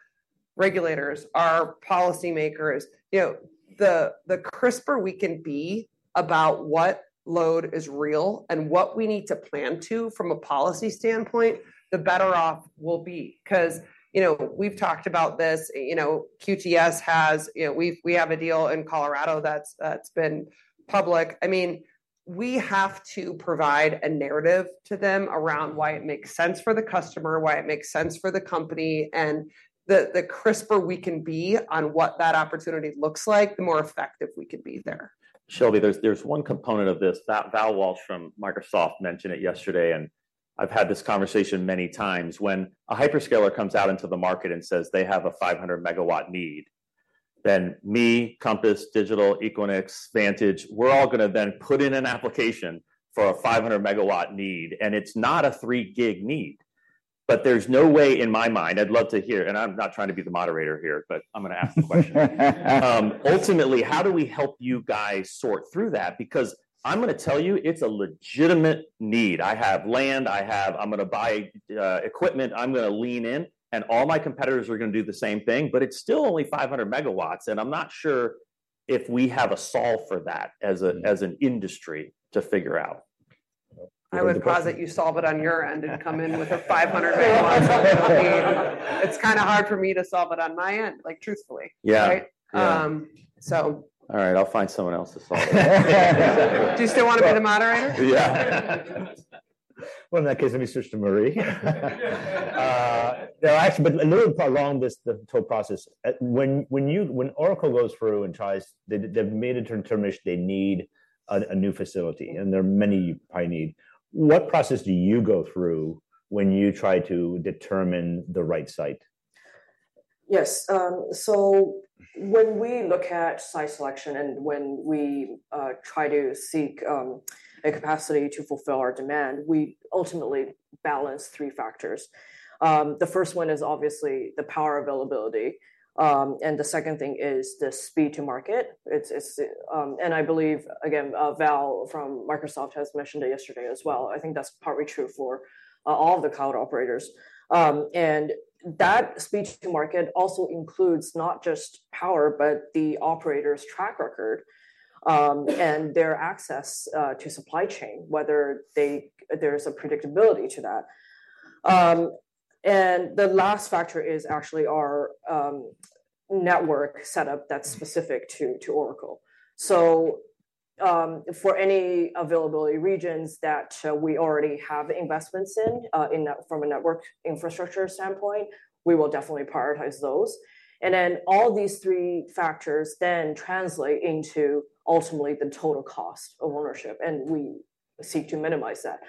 regulators, our policymakers, you know, the crisper we can be about what load is real and what we need to plan to from a policy standpoint, the better off we'll be. 'Cause, you know, we've talked about this, you know, QTS has. You know, we have a deal in Colorado that's that's been public. I mean, we have to provide a narrative to them around why it makes sense for the customer, why it makes sense for the company, and the crisper we can be on what that opportunity looks like, the more effective we can be there. Shelby, there's one component of this that Val Walsh from Microsoft mentioned yesterday, and I've had this conversation many times. When a hyperscaler comes out into the market and says they have a 500-megawatt need, then me, Compass, Digital, Equinix, Vantage, we're all gonna then put in an application for a 500-megawatt need, and it's not a 3-gigawatt need. But there's no way in my mind. I'd love to hear, and I'm not trying to be the moderator here, but I'm gonna ask the question. Ultimately, how do we help you guys sort through that? Because I'm gonna tell you, it's a legitimate need. I have land, I have. I'm gonna buy equipment, I'm gonna lean in, and all my competitors are gonna do the same thing, but it's still only five hundred megawatts, and I'm not sure if we have a solve for that as a- Mm. - as an industry to figure out. I would posit you solve it on your end and come in with a 500 megawatt. I mean, it's kinda hard for me to solve it on my end, like, truthfully. Yeah. Right? Yeah. Um, so... All right, I'll find someone else to solve it. Do you still wanna be the moderator? Yeah. In that case, let me switch to Marie. No, actually, but a little bit along this, the total process, when Oracle goes through and tries, they've made a determination they need a new facility, and there are many you probably need, what process do you go through when you try to determine the right site? Yes, so when we look at site selection and when we try to seek a capacity to fulfill our demand, we ultimately balance three factors. The first one is obviously the power availability, and the second thing is the speed to market, and I believe, again, Val from Microsoft has mentioned it yesterday as well. I think that's partly true for all of the cloud operators. And that speed to market also includes not just power, but the operator's track record, and their access to supply chain, whether there's a predictability to that, and the last factor is actually our network setup that's specific to Oracle, so for any availability regions that we already have investments in from a network infrastructure standpoint, we will definitely prioritize those. And then, all these three factors then translate into ultimately the total cost of ownership, and we seek to minimize that.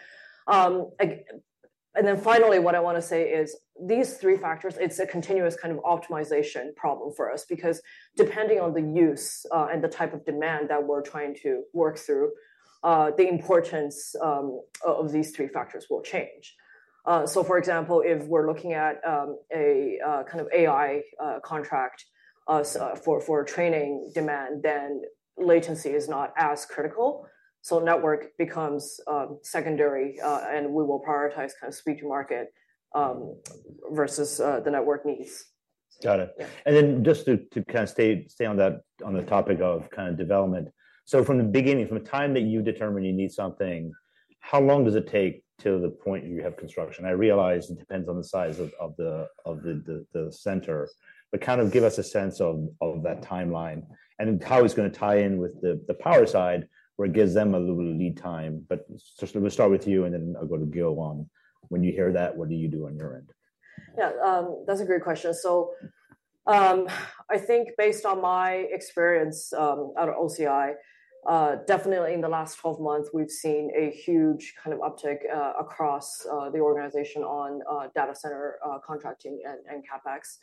And then finally, what I wanna say is these three factors, it's a continuous kind of optimization problem for us, because depending on the use, and the type of demand that we're trying to work through, the importance of these three factors will change. So, for example, if we're looking at a kind of AI contract, so for training demand, then latency is not as critical, so network becomes secondary, and we will prioritize kind of speed to market, versus the network needs. Got it. Yeah. And then just to kinda stay on that, on the topic of kind of development, so from the beginning, from the time that you determine you need something, how long does it take till the point you have construction? I realize it depends on the size of the center, but kind of give us a sense of that timeline and how it's gonna tie in with the power side, where it gives them a little lead time. But so we'll start with you, and then I'll go to Gil Quiniones. When you hear that, what do you do on your end? Yeah, that's a great question. So, I think based on my experience out of OCI, definitely in the last 12 months, we've seen a huge kind of uptick across the organization on data center contracting and CapEx,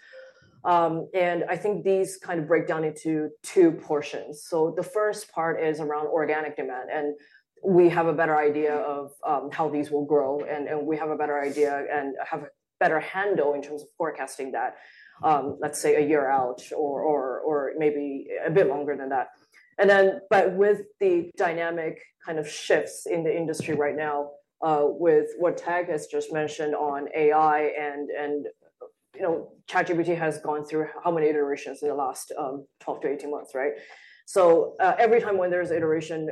and I think these kind of break down into 2 portions, so the first part is around organic demand, and we have a better idea of how these will grow, and we have a better handle in terms of forecasting that, let's say, a year out or or or maybe a bit longer than that. And then, with the dynamic kind of shifts in the industry right now, with what Tag has just mentioned on AI and, you know, ChatGPT has gone through how many iterations in the last 12 to 18 months, right? So every time when there's iteration,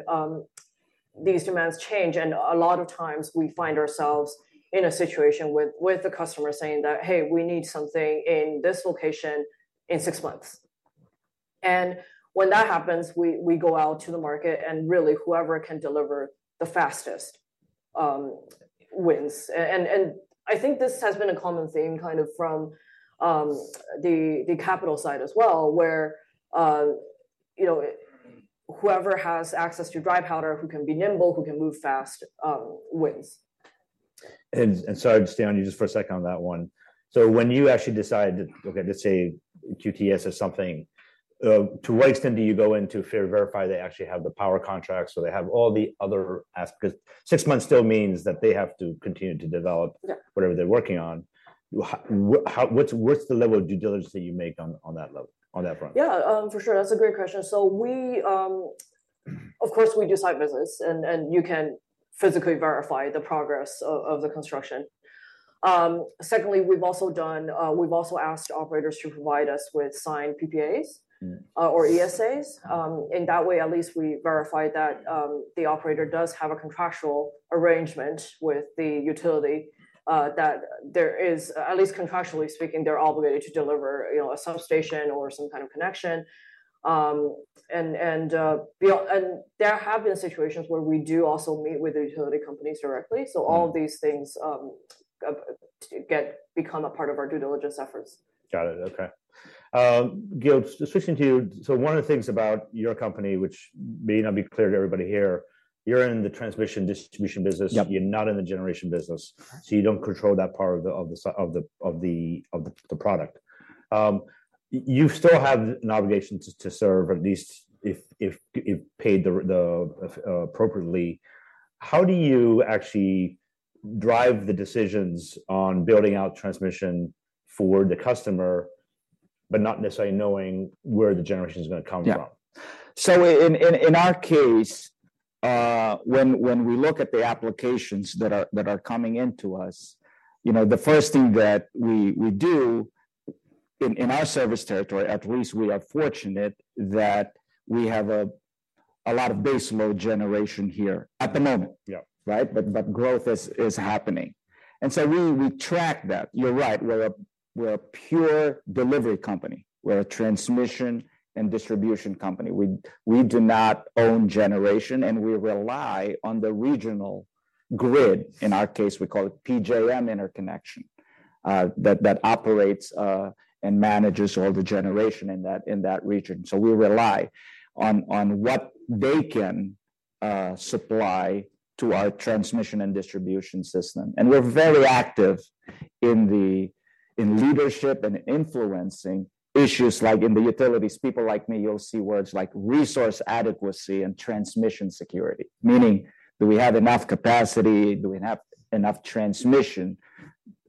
these demands change, and a lot of times we find ourselves in a situation with the customer saying that: "Hey, we need something in this location in six months." When that happens, we go out to the market, and really, whoever can deliver the fastest wins. And I think this has been a common theme, kind of from the capital side as well, where, you know, whoever has access to dry powder, who can be nimble, who can move fast, wins. I'll just stay on you just for a second on that one. So when you actually decide, okay, let's say QTS or something, to what extent do you go in to verify they actually have the power contracts, or they have all the other as-... 'cause six months still means that they have to continue to develop- Yeah... whatever they're working on, how, what's the level of due diligence that you make on that level, on that front? Yeah, for sure. That's a great question, so we, of course, we do site visits, and you can physically verify the progress of the construction. Secondly, we've also asked operators to provide us with signed PPAs- Mm-hmm or ESAs. In that way, at least we verify that the operator does have a contractual arrangement with the utility, that there is, at least contractually speaking, they're obligated to deliver, you know, a substation or some kind of connection, and there have been situations where we do also meet with the utility companies directly. Mm. So all these things become a part of our due diligence efforts. Got it. Okay. Gil, switching to you, so one of the things about your company, which may not be clear to everybody here, you're in the transmission distribution business- Yep. You're not in the generation business, so you don't control that part of the product. You still have an obligation to serve, at least if if if paid appropriately. How do you actually drive the decisions on building out transmission for the customer, but not necessarily knowing where the generation is gonna come from? Yeah. So in our case, when we look at the applications that are coming into us, you know, the first thing that we do in our service territory, at least, we are fortunate that we have a lot of base load generation here at the moment. Yeah. Right? But growth is happening, and so really, we track that. You're right, we're a pure delivery company. We're a transmission and distribution company. We do not own generation, and we rely on the regional grid. In our case, we call it PJM Interconnection, that operates and manages all the generation in that region. So we rely on what they can supply to our transmission and distribution system. And we're very active in the, in leadership and influencing issues. Like in the utilities, people like me, you'll see words like resource adequacy and transmission security, meaning, do we have enough capacity? Do we have enough transmission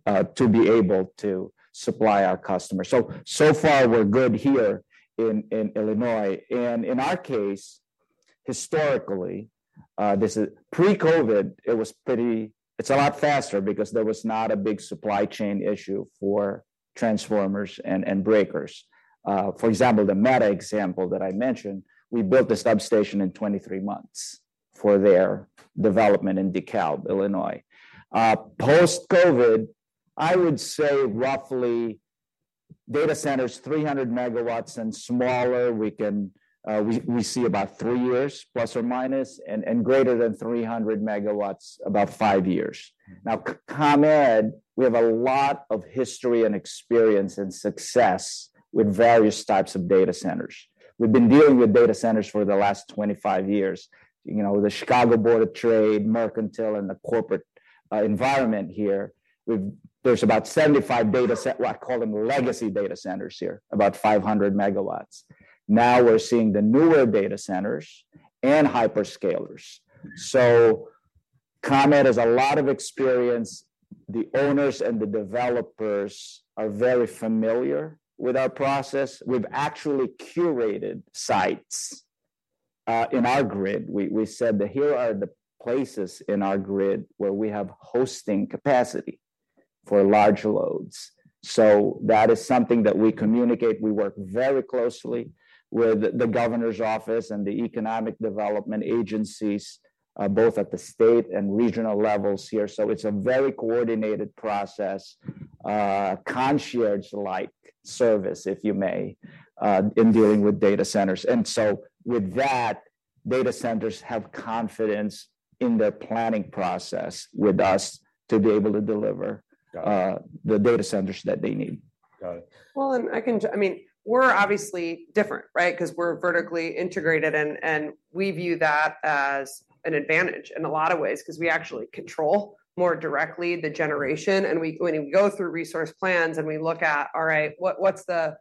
to be able to supply our customers? So so far, we're good here in Illinois. And in our case, historically, pre-COVID, it was a lot faster because there was not a big supply chain issue for transformers and breakers. For example, the Meta example that I mentioned, we built a substation in 23 months for their development in DeKalb, Illinois. Post-COVID, I would say roughly data centers 300 megawatts and smaller, we can, we see about three years, plus or minus, and greater than 300 megawatts, about five years. Now, ComEd, we have a lot of history and experience and success with various types of data centers. We have been dealing with data centers for the last 25 years. You know, the Chicago Board of Trade, Mercantile, and the corporate environment here, we have—there are about 75 data centers. Well, I call them legacy data centers here, about 500 megawatts. Now, we're seeing the newer data centers and hyperscalers. So ComEd has a lot of experience. The owners and the developers are very familiar with our process. We've actually curated sites in our grid. We said that here are the places in our grid where we have hosting capacity for large loads. So that is something that we communicate. We work very closely with the governor's office and the economic development agencies both at the state and regional levels here. So it's a very coordinated process, concierge-like service, if you may, in dealing with data centers. And so with that, data centers have confidence in the planning process with us to be able to deliver- Got it. the data centers that they need. Got it. I mean, we're obviously different, right? Because we're vertically integrated, and and we view that as an advantage in a lot of ways, because we actually control more directly the generation. And we, when we go through resource plans, and we look at, all right, what's the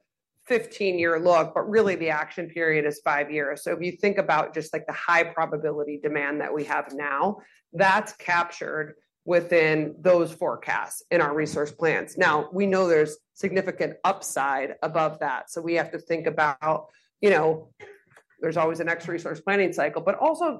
fifteen-year look? But really, the action period is five years. So if you think about just, like, the high probability demand that we have now, that's captured within those forecasts in our resource plans. Now, we know there's significant upside above that, so we have to think about, you know, there's always the next resource planning cycle, but also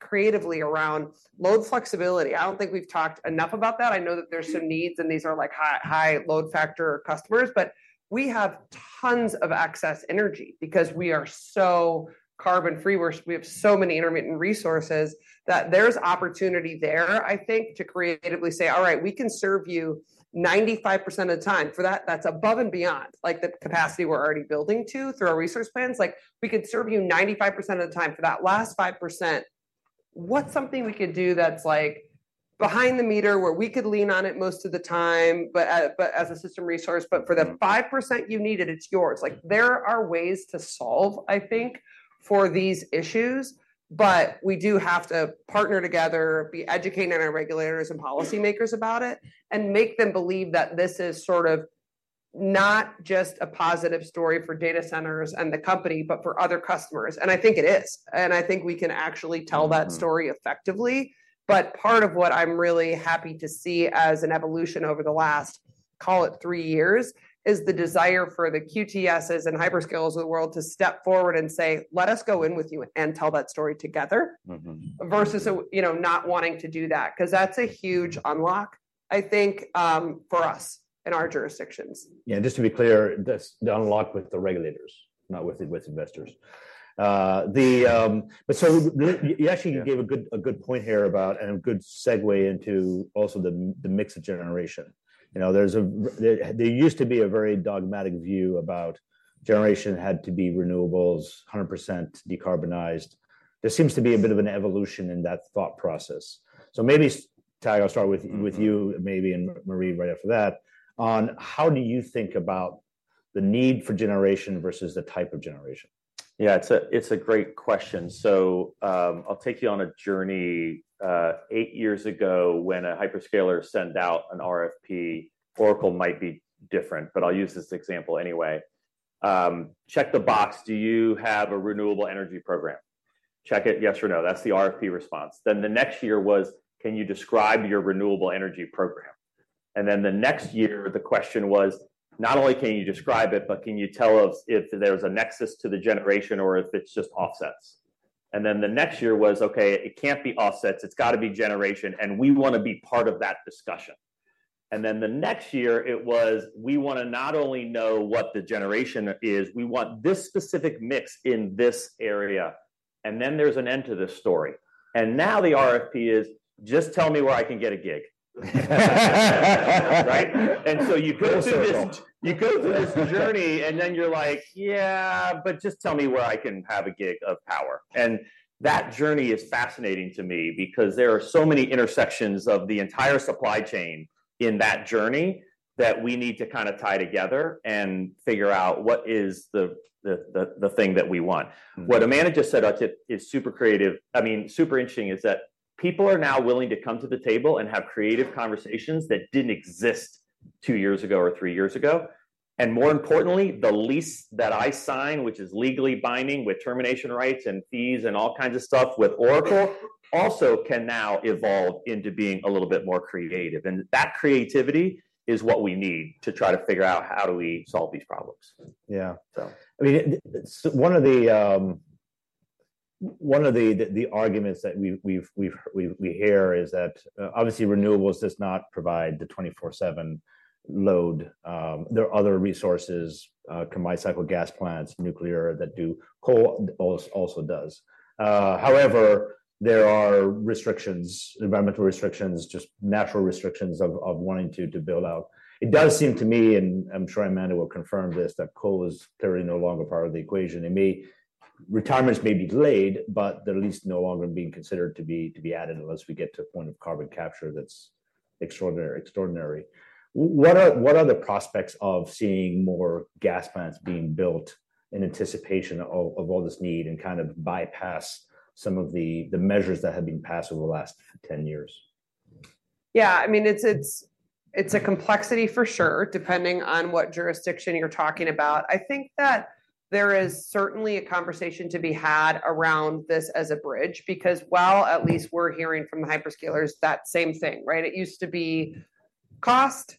creatively around load flexibility. I don't think we've talked enough about that. I know that there's some needs, and these are, like, high, high load factor customers, but we have tons of excess energy because we are so carbon-free, we're, we have so many intermittent resources, that there's opportunity there, I think, to creatively say, "All right, we can serve you 95% of the time." For that, that's above and beyond, like, the capacity we're already building to through our resource plans. Like, we could serve you 95% of the time. For that last 5%, what's something we could do that's, like, behind the meter, where we could lean on it most of the time, but, but as a system resource, but for the 5% you need it, it's yours? Like, there are ways to solve, I think, for these issues, but we do have to partner together, be educating our regulators and policymakers about it, and make them believe that this is sort of not just a positive story for data centers and the company, but for other customers. And I think it is, and I think we can actually tell that story effectively. But part of what I'm really happy to see as an evolution over the last, call it three years, is the desire for the QTSs and hyperscalers of the world to step forward and say: Let us go in with you and tell that story together- Mm-hmm. -versus, you know, not wanting to do that, 'cause that's a huge unlock, I think, for us in our jurisdictions. Yeah, just to be clear, that's the unlock with the regulators, not with the investors. But so you actually gave a good point here about, and a good segue into also the mix of generation. You know, there used to be a very dogmatic view about generation had to be renewables, 100% decarbonized. There seems to be a bit of an evolution in that thought process. So maybe, Tag, I'll start with you, maybe, and Marie, right after that, on how do you think about the need for generation versus the type of generation? Yeah, it's a great question. So, I'll take you on a journey. Eight years ago, when a hyperscaler sent out an RFP, Oracle might be different, but I'll use this example anyway. Check the box: Do you have a renewable energy program? Check it, yes or no. That's the RFP response. Then, the next year was, can you describe your renewable energy program? And then, the next year, the question was, not only can you describe it, but can you tell us if there's a nexus to the generation or if it's just offsets? And then, the next year was, okay, it can't be offsets, it's got to be generation, and we wanna be part of that discussion. And then, the next year, it was, we wanna not only know what the generation is, we want this specific mix in this area. And then, there's an end to this story. And now, the RFP is, just tell me where I can get a gig. Right? And so you go through this- Full circle. You go through this journey, and then you're like: Yeah, but just tell me where I can have a gig of power. And that journey is fascinating to me because there are so many intersections of the entire supply chain in that journey that we need to kinda tie together and figure out what is the the the thing that we want. What Amanda just said, it is super creative. I mean, super interesting: people are now willing to come to the table and have creative conversations that didn't exist two years ago or three years ago. And more importantly, the lease that I sign, which is legally binding with termination rights and fees and all kinds of stuff with Oracle, also can now evolve into being a little bit more creative. That creativity is what we need to try to figure out how do we solve these problems? Yeah. So. I mean, one of the arguments that we we we hear is that obviously renewables does not provide the twenty-four/seven load. There are other resources, combined cycle gas plants, nuclear, that do. Coal also does. However, there are restrictions, environmental restrictions, just natural restrictions of wanting to build out. It does seem to me, and I'm sure Amanda will confirm this, that coal is clearly no longer part of the equation. It may. Retirements may be delayed, but they're at least no longer being considered to be added unless we get to a point of carbon capture that's extraordinary. What are, what are the prospects of seeing more gas plants being built in anticipation of all this need and kind of bypass some of the measures that have been passed over the last ten years? Yeah, I mean, it's it's a complexity for sure, depending on what jurisdiction you're talking about. I think that there is certainly a conversation to be had around this as a bridge, because while at least we're hearing from the hyperscalers, that same thing, right? It used to be cost,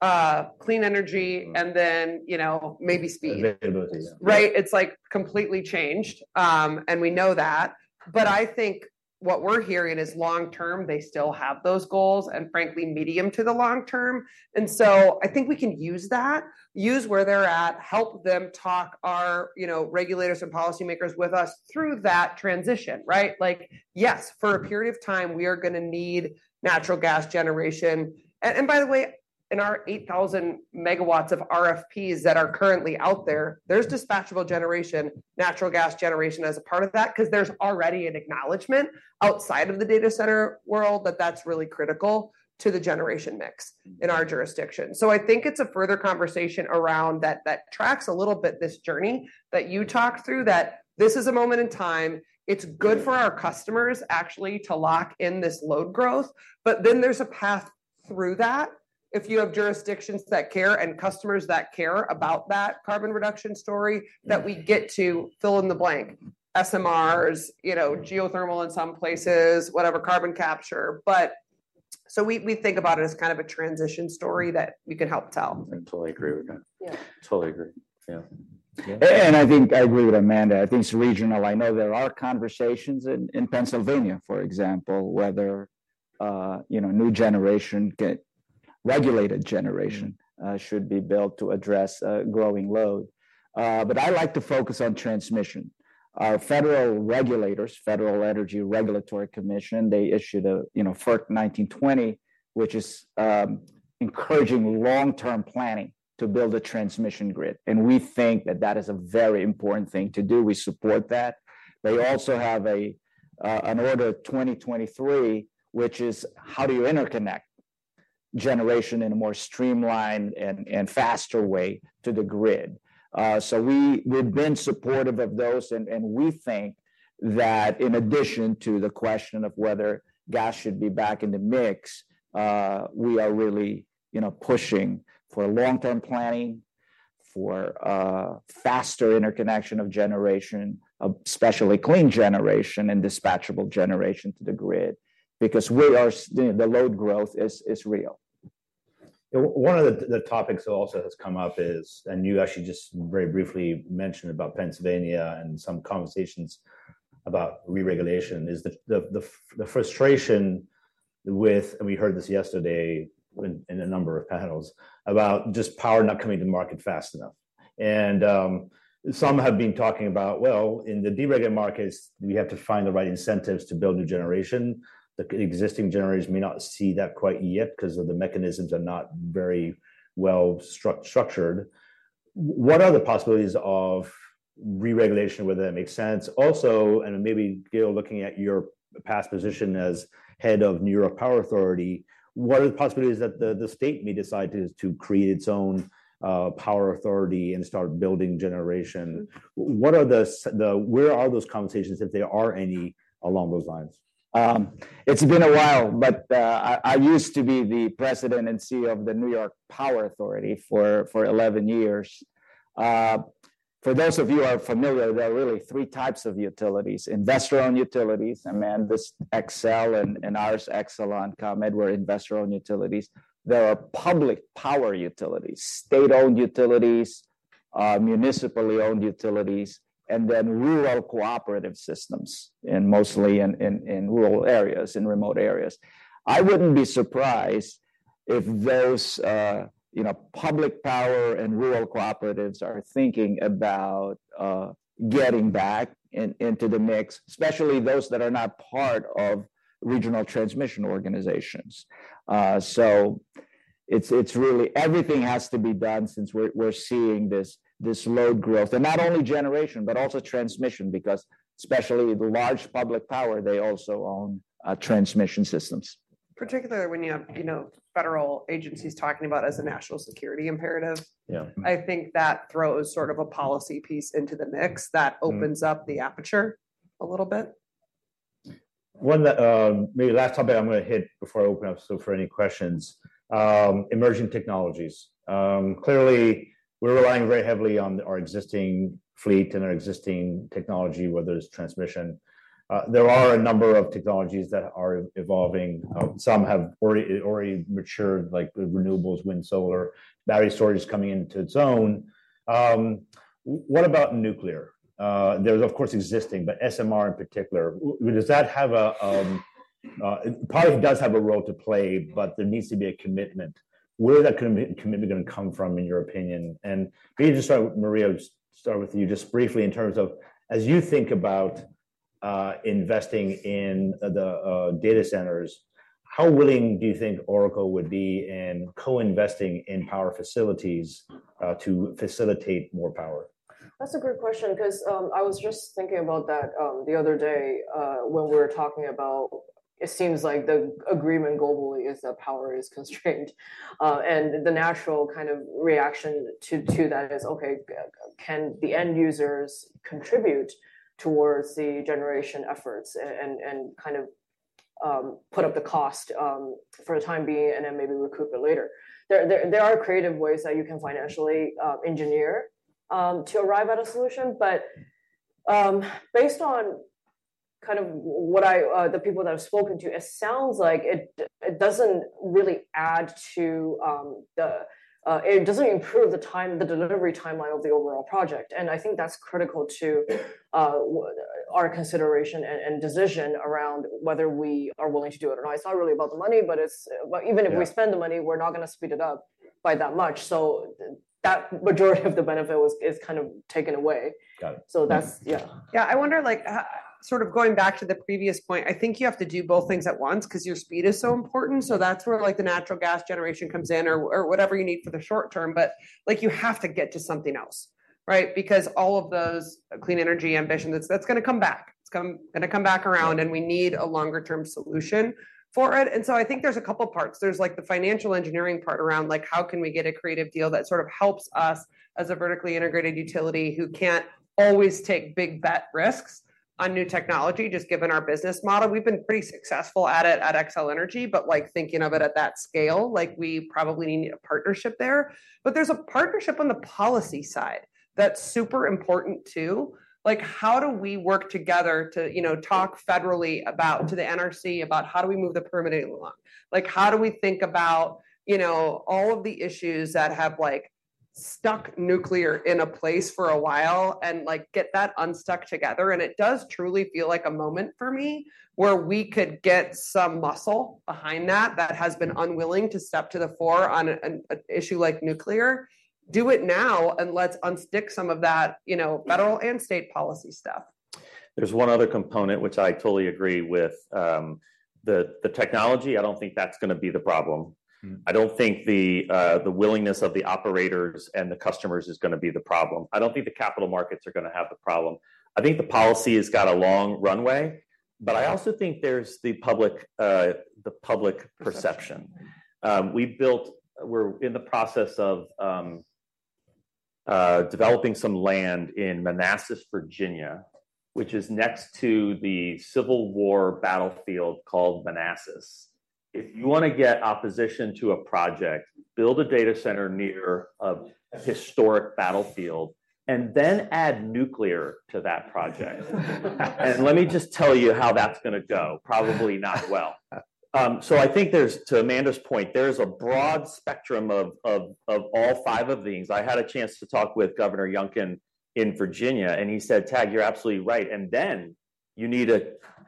clean energy, and then, you know, maybe speed. Availability, yeah. Right? It's, like, completely changed, and we know that. But I think what we're hearing is long term, they still have those goals, and frankly, medium to the long term. And so I think we can use that, use where they're at, help them talk to our, you know, regulators and policymakers with us through that transition, right? Like, yes, for a period of time, we are going to need natural gas generation. And by the way, in our eight thousand megawatts of RFPs that are currently out there, there's dispatchable generation, natural gas generation as a part of that, because there's already an acknowledgment outside of the data center world that that's really critical to the generation mix in our jurisdiction. So I think it's a further conversation around that, that tracks a little bit this journey that you talked through, that this is a moment in time. It's good for our customers, actually, to lock in this load growth, but then there's a path through that if you have jurisdictions that care and customers that care about that carbon reduction story, that we get to fill in the blank. SMRs, you know, geothermal in some places, whatever, carbon capture. But so we, we think about it as kind of a transition story that we can help tell. I totally agree with that. Yeah. Totally agree. Yeah. I think I agree with Amanda. I think it's regional. I know there are conversations in Pennsylvania, for example, whether you know new generation regulated generation should be built to address growing load. But I like to focus on transmission. Our federal regulators, Federal Energy Regulatory Commission, they issued a you know FERC 1920, which is encouraging long-term planning to build a transmission grid, and we think that that is a very important thing to do. We support that. They also have a an Order 2023, which is how do you interconnect generation in a more streamlined and faster way to the grid? So we've been supportive of those, and we think that in addition to the question of whether gas should be back in the mix, we are really, you know, pushing for long-term planning, for faster interconnection of generation, especially clean generation and dispatchable generation to the grid, because the load growth is real. One of the topics that also has come up is, and you actually just very briefly mentioned about Pennsylvania and some conversations about re-regulation, is the frustration with, and we heard this yesterday in a number of panels, about just power not coming to market fast enough. And some have been talking about, well, in the deregulated markets, we have to find the right incentives to build new generation. The existing generations may not see that quite yet because the mechanisms are not very well structured. What are the possibilities of re-regulation, whether that makes sense? Also, and maybe, Gil, looking at your past position as head of New York Power Authority, what are the possibilities that the state may decide to create its own power authority and start building generation? What are the where are those conversations, if there are any, along those lines? It's been a while, but I used to be the president and CEO of the New York Power Authority for for eleven years. For those of you who are familiar, there are really three types of utilities: investor-owned utilities, Amanda's Xcel, and ours, Exelon ComEd, were investor-owned utilities. There are public power utilities, state-owned utilities, municipally-owned utilities, and then rural cooperative systems, and mostly in in rural areas, in remote areas. I wouldn't be surprised if those, you know, public power and rural cooperatives are thinking about getting back into the mix, especially those that are not part of regional transmission organizations. So it's it's really everything has to be done since we're seeing this load growth, and not only generation, but also transmission, because especially the large public power, they also own transmission systems.... Particularly when you have, you know, federal agencies talking about as a national security imperative. Yeah. I think that throws sort of a policy piece into the mix that opens up the aperture a little bit. One that maybe last topic I'm going to hit before I open up, so for any questions, emerging technologies. Clearly, we're relying very heavily on our existing fleet and our existing technology, whether it's transmission. There are a number of technologies that are evolving. Some have already matured, like renewables, wind, solar, battery storage is coming into its own. What about nuclear? There's, of course, existing, but SMR in particular, does have, does that have a role to play? It probably does have a role to play, but there needs to be a commitment. Where is that commitment going to come from, in your opinion? Can you just start with Marie, start with you just briefly in terms of, as you think about investing in the data centers, how willing do you think Oracle would be in co-investing in power facilities to facilitate more power? That's a great question, because I was just thinking about that, the other day, when we were talking about it seems like the agreement globally is that power is constrained. And the natural kind of reaction to to that is, okay, can the end users contribute towards the generation efforts and and and kind of put up the cost, for the time being and then maybe recoup it later? There are creative ways that you can financially engineer to arrive at a solution, but based on kind of what I the people that I've spoken to, it sounds like it doesn't really add to the it doesn't improve the time, the delivery timeline of the overall project. And I think that's critical to our consideration and decision around whether we are willing to do it or not. It's not really about the money, but even if we spend the money, we're not going to speed it up by that much. So that majority of the benefit was, is kind of taken away. Got it. So that's, yeah. Yeah, I wonder, like, sort of going back to the previous point, I think you have to do both things at once because your speed is so important. So that's where, like, the natural gas generation comes in or whatever you need for the short term, but, like, you have to get to something else, right? Because all of those clean energy ambitions, that's going to come back. It's gonna come back around, and we need a longer-term solution for it. And so I think there's a couple parts. There's, like, the financial engineering part around, like, how can we get a creative deal that sort of helps us as a vertically integrated utility who can't always take big bet risks on new technology, just given our business model? We've been pretty successful at it at Xcel Energy, but like, thinking of it at that scale, like, we probably need a partnership there. But there's a partnership on the policy side that's super important, too. Like, how do we work together to, you know, talk federally about, to the NRC, about how do we move the permitting along? Like, how do we think about, you know, all of the issues that have, like, stuck nuclear in a place for a while and, like, get that unstuck together? And it does truly feel like a moment for me where we could get some muscle behind that, that has been unwilling to step to the fore on an issue like nuclear. Do it now, and let's unstick some of that, you know, federal and state policy stuff. There's one other component, which I totally agree with. The technology, I don't think that's going to be the problem. Mm. I don't think the willingness of the operators and the customers is going to be the problem. I don't think the capital markets are going to have the problem. I think the policy has got a long runway, but I also think there's the public perception. We built, we're in the process of developing some land in Manassas, Virginia, which is next to the Civil War battlefield called Manassas. If you want to get opposition to a project, build a data center near a historic battlefield, and then add nuclear to that project. And let me just tell you how that's going to go. Probably not well. So I think there's, to Amanda's point, there's a broad spectrum of of of all five of these. I had a chance to talk with Governor Youngkin in Virginia, and he said, "Tag, you're absolutely right." And then you need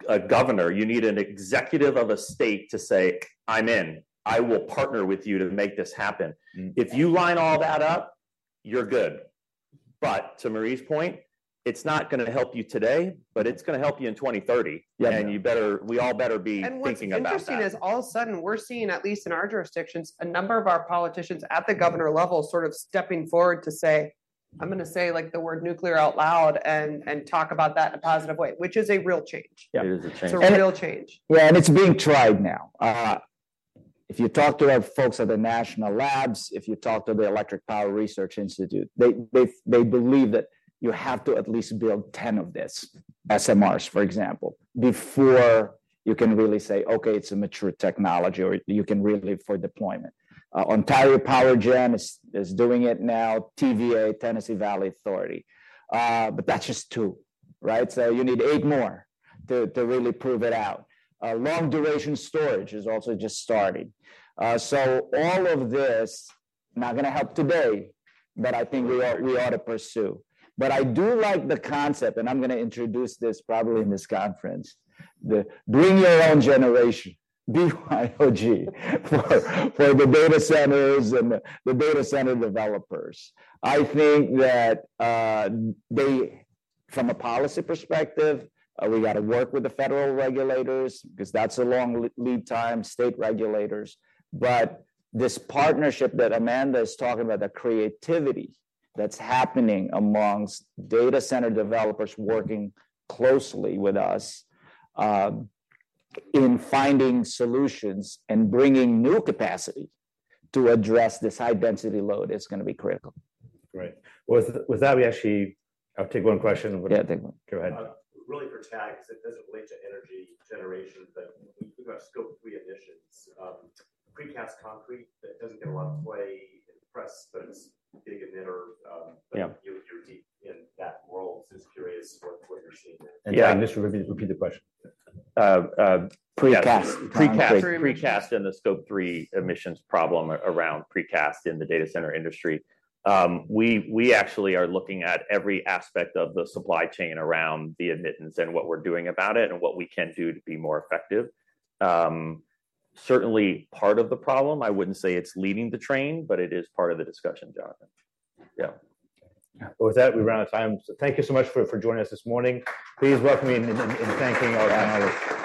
a governor, you need an executive of a state to say: I'm in. I will partner with you to make this happen. Mm-hmm. If you line all that up, you're good. But to Marie's point, it's not going to help you today, but it's going to help you in twenty thirty. Yeah. You better, we all better be thinking about that. What's interesting is all of a sudden, we're seeing, at least in our jurisdictions, a number of our politicians at the governor level sort of stepping forward to say, "I'm going to say, like, the word nuclear out loud, and talk about that in a positive way," which is a real change. Yeah, it is a change. It's a real change. Yeah, and it's being tried now. If you talk to our folks at the National Labs, if you talk to the Electric Power Research Institute, they they believe that you have to at least build ten of these SMRs, for example, before you can really say, "Okay, it's a mature technology," or, "You can really for deployment." Ontario Power Generation is doing it now, TVA, Tennessee Valley Authority. But that's just two, right? So you need eight more to really prove it out. Long-duration storage is also just starting. So all of this, not going to help today, but I think we ought to pursue. But I do like the concept, and I'm going to introduce this probably in this conference, the bring your own generation, BYOG, for the data centers and the data center developers. I think that they, from a policy perspective, we got to work with the federal regulators because that's a long lead time, state regulators, but this partnership that Amanda is talking about, the creativity-... that's happening amongst data center developers working closely with us, in finding solutions and bringing new capacity to address this high-density load is gonna be critical. Great. Well, with that, we actually, I'll take one question. Yeah, take one. Go ahead. Really, for Tag, it doesn't relate to energy generation, but we think about Scope 3 emissions. Precast concrete, that doesn't get a lot of play in the press, but it's a big emitter. Yeah. You, you're deep in that world, so just curious what you're seeing there. Yeah, and just repeat the question. Precast. Precast. Precast and the Scope 3 emissions problem around precast in the data center industry. We we actually are looking at every aspect of the supply chain around the emissions and what we're doing about it and what we can do to be more effective. Certainly part of the problem, I wouldn't say it's leading the train, but it is part of the discussion, Jonathan. Yeah. Yeah. Well, with that, we've run out of time. So thank you so much for joining us this morning. Please join in thanking our panelists.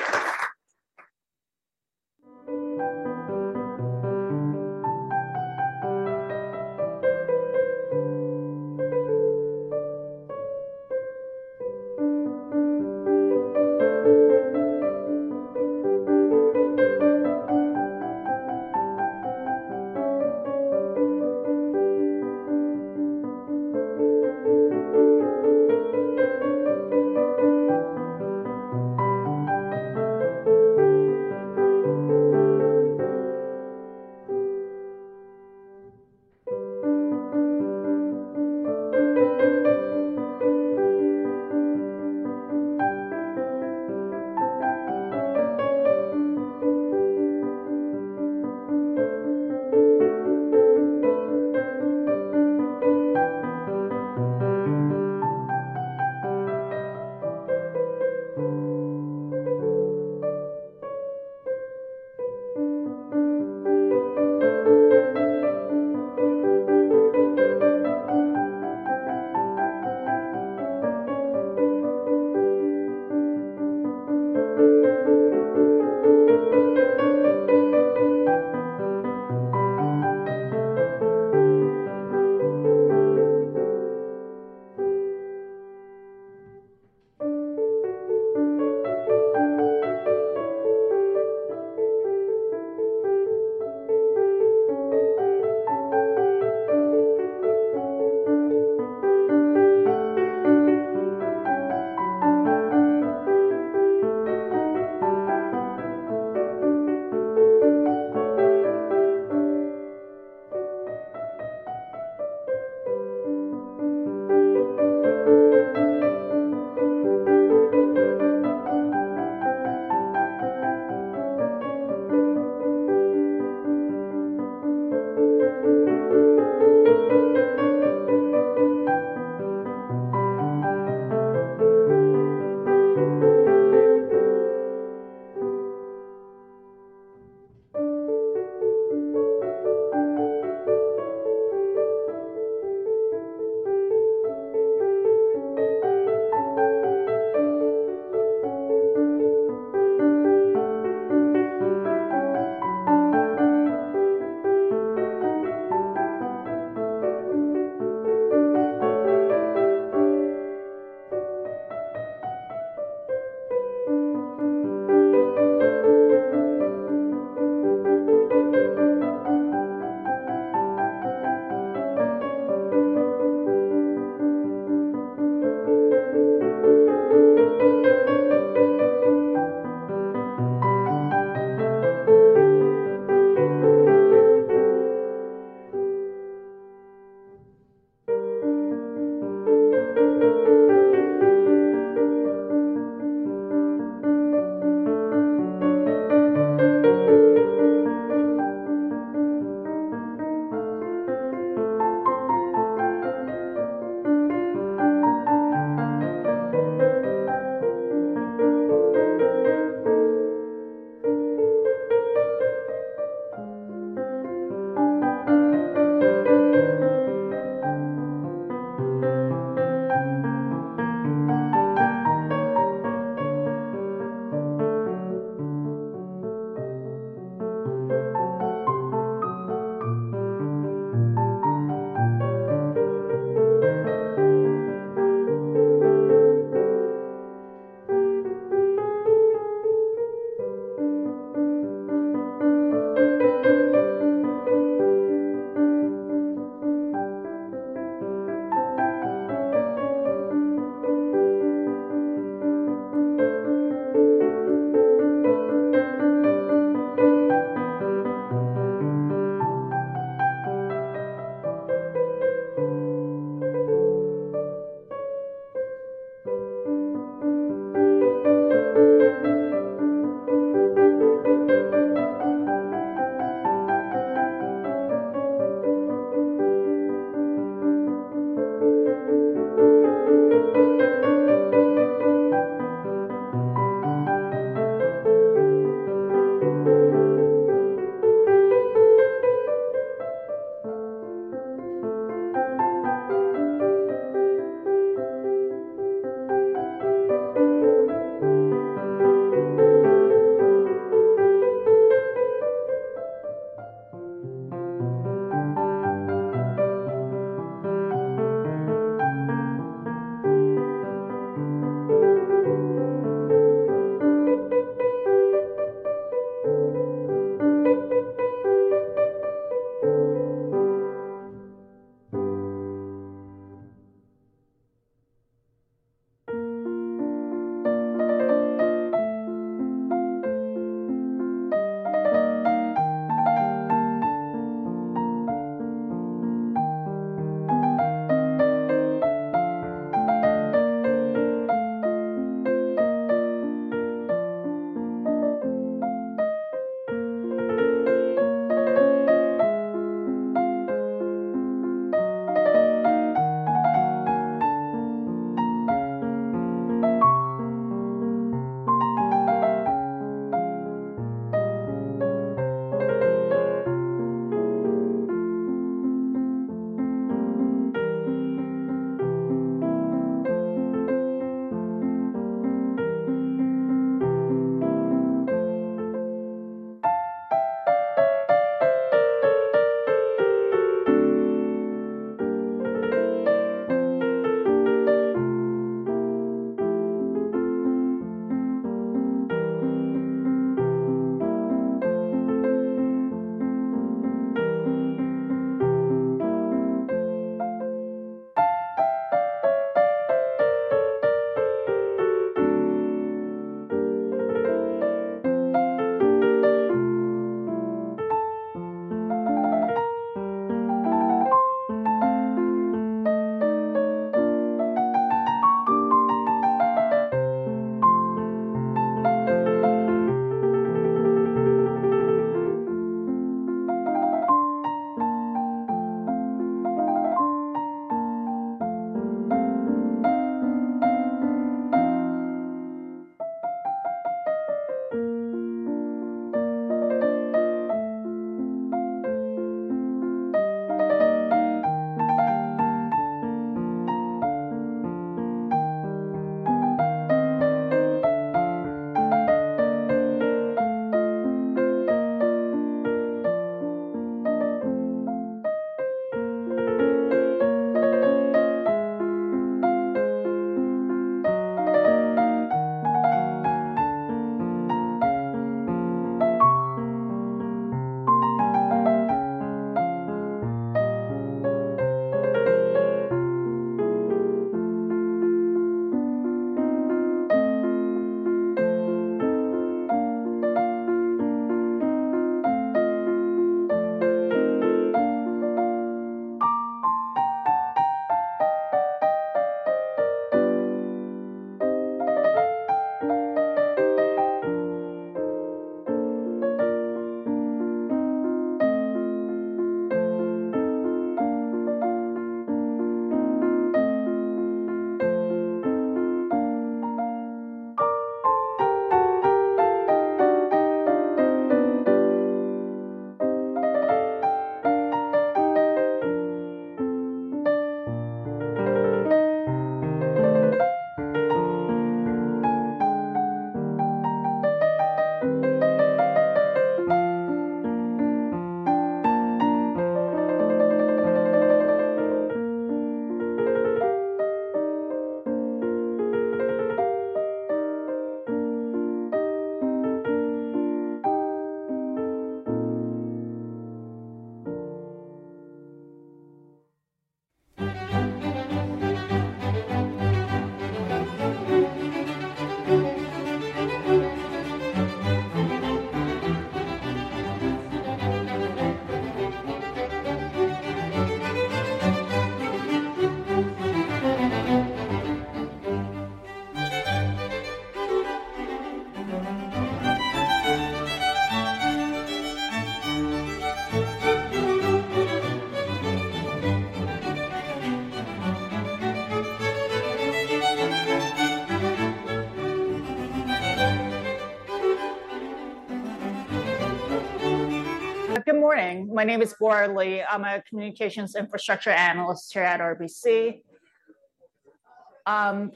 Good morning. My name is Bora Lee. I'm a communications infrastructure analyst here at RBC.